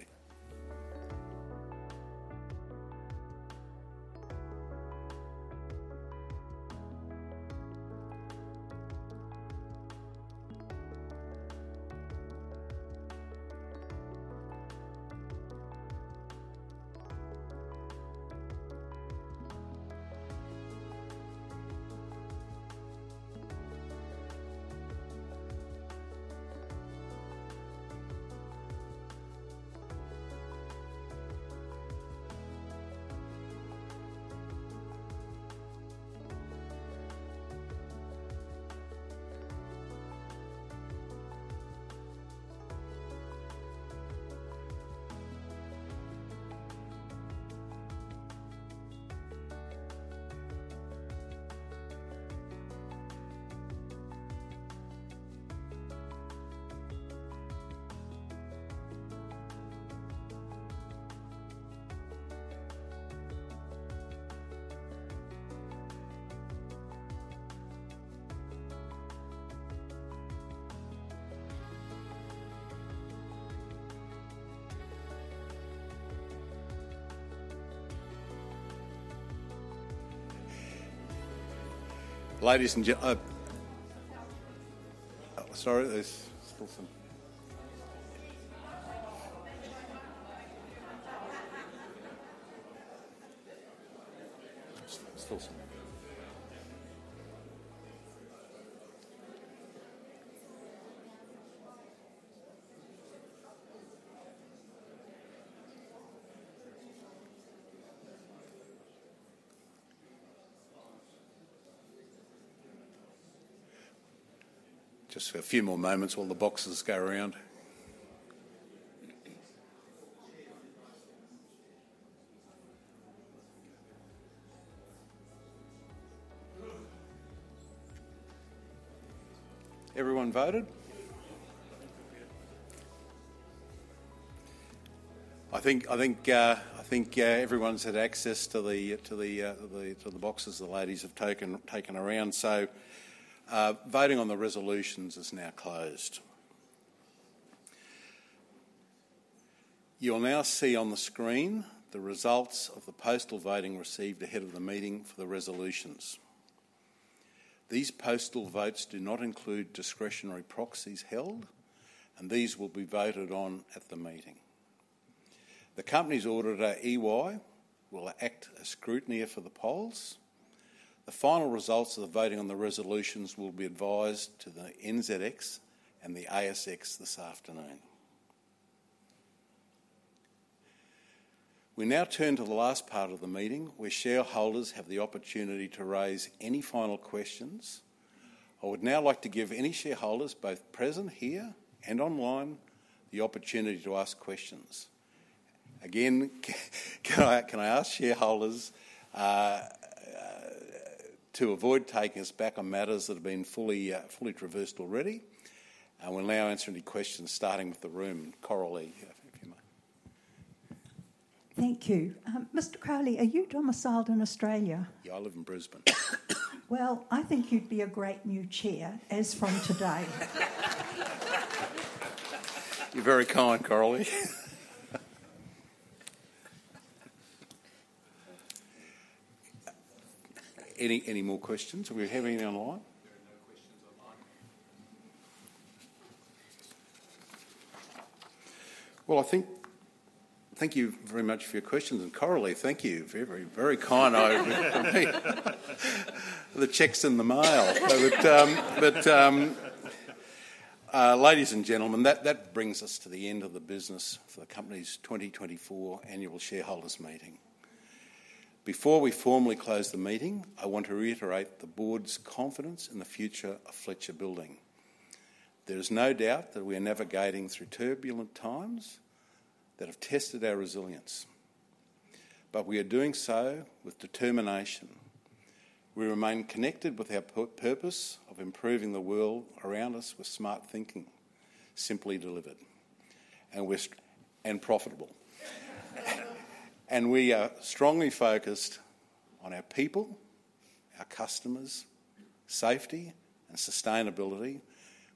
Sorry, there's still some- Still some. Just a few more moments while the boxes go around. Everyone voted? I think everyone's had access to the boxes the ladies have taken around. So, voting on the resolutions is now closed. You'll now see on the screen the results of the postal voting received ahead of the meeting for the resolutions. These postal votes do not include discretionary proxies held, and these will be voted on at the meeting. The company's auditor, EY, will act as scrutineer for the polls. The final results of the voting on the resolutions will be advised to the NZX and the ASX this afternoon. We now turn to the last part of the meeting, where shareholders have the opportunity to raise any final questions. I would now like to give any shareholders, both present here and online, the opportunity to ask questions. Again, can I ask shareholders to avoid taking us back on matters that have been fully traversed already? I will now answer any questions, starting with the room. Coralie, if you may. Thank you. Mr. Crowley, are you domiciled in Australia? Yeah, I live in Brisbane. I think you'd be a great new chair as from today. You're very kind, Coralie. Any more questions? Do we have any online? There are no questions online. I think, thank you very much for your questions. Coralie, thank you. Very, very, very kind of you. The check's in the mail. But, ladies and gentlemen, that brings us to the end of the business for the company's 2024 annual shareholders meeting. Before we formally close the meeting, I want to reiterate the board's confidence in the future of Fletcher Building. There is no doubt that we are navigating through turbulent times that have tested our resilience, but we are doing so with determination. We remain connected with our purpose of improving the world around us with smart thinking, simply delivered, and profitable. We are strongly focused on our people, our customers, safety, and sustainability,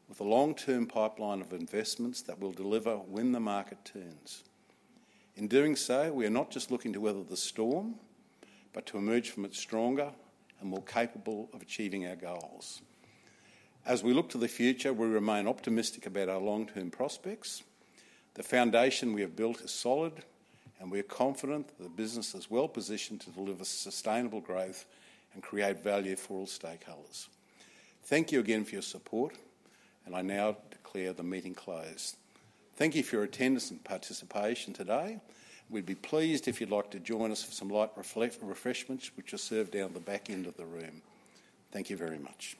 with a long-term pipeline of investments that will deliver when the market turns. In doing so, we are not just looking to weather the storm, but to emerge from it stronger and more capable of achieving our goals. As we look to the future, we remain optimistic about our long-term prospects. The foundation we have built is solid, and we are confident that the business is well-positioned to deliver sustainable growth and create value for all stakeholders. Thank you again for your support, and I now declare the meeting closed. Thank you for your attendance and participation today. We'd be pleased if you'd like to join us for some light refreshments, which are served down the back end of the room. Thank you very much.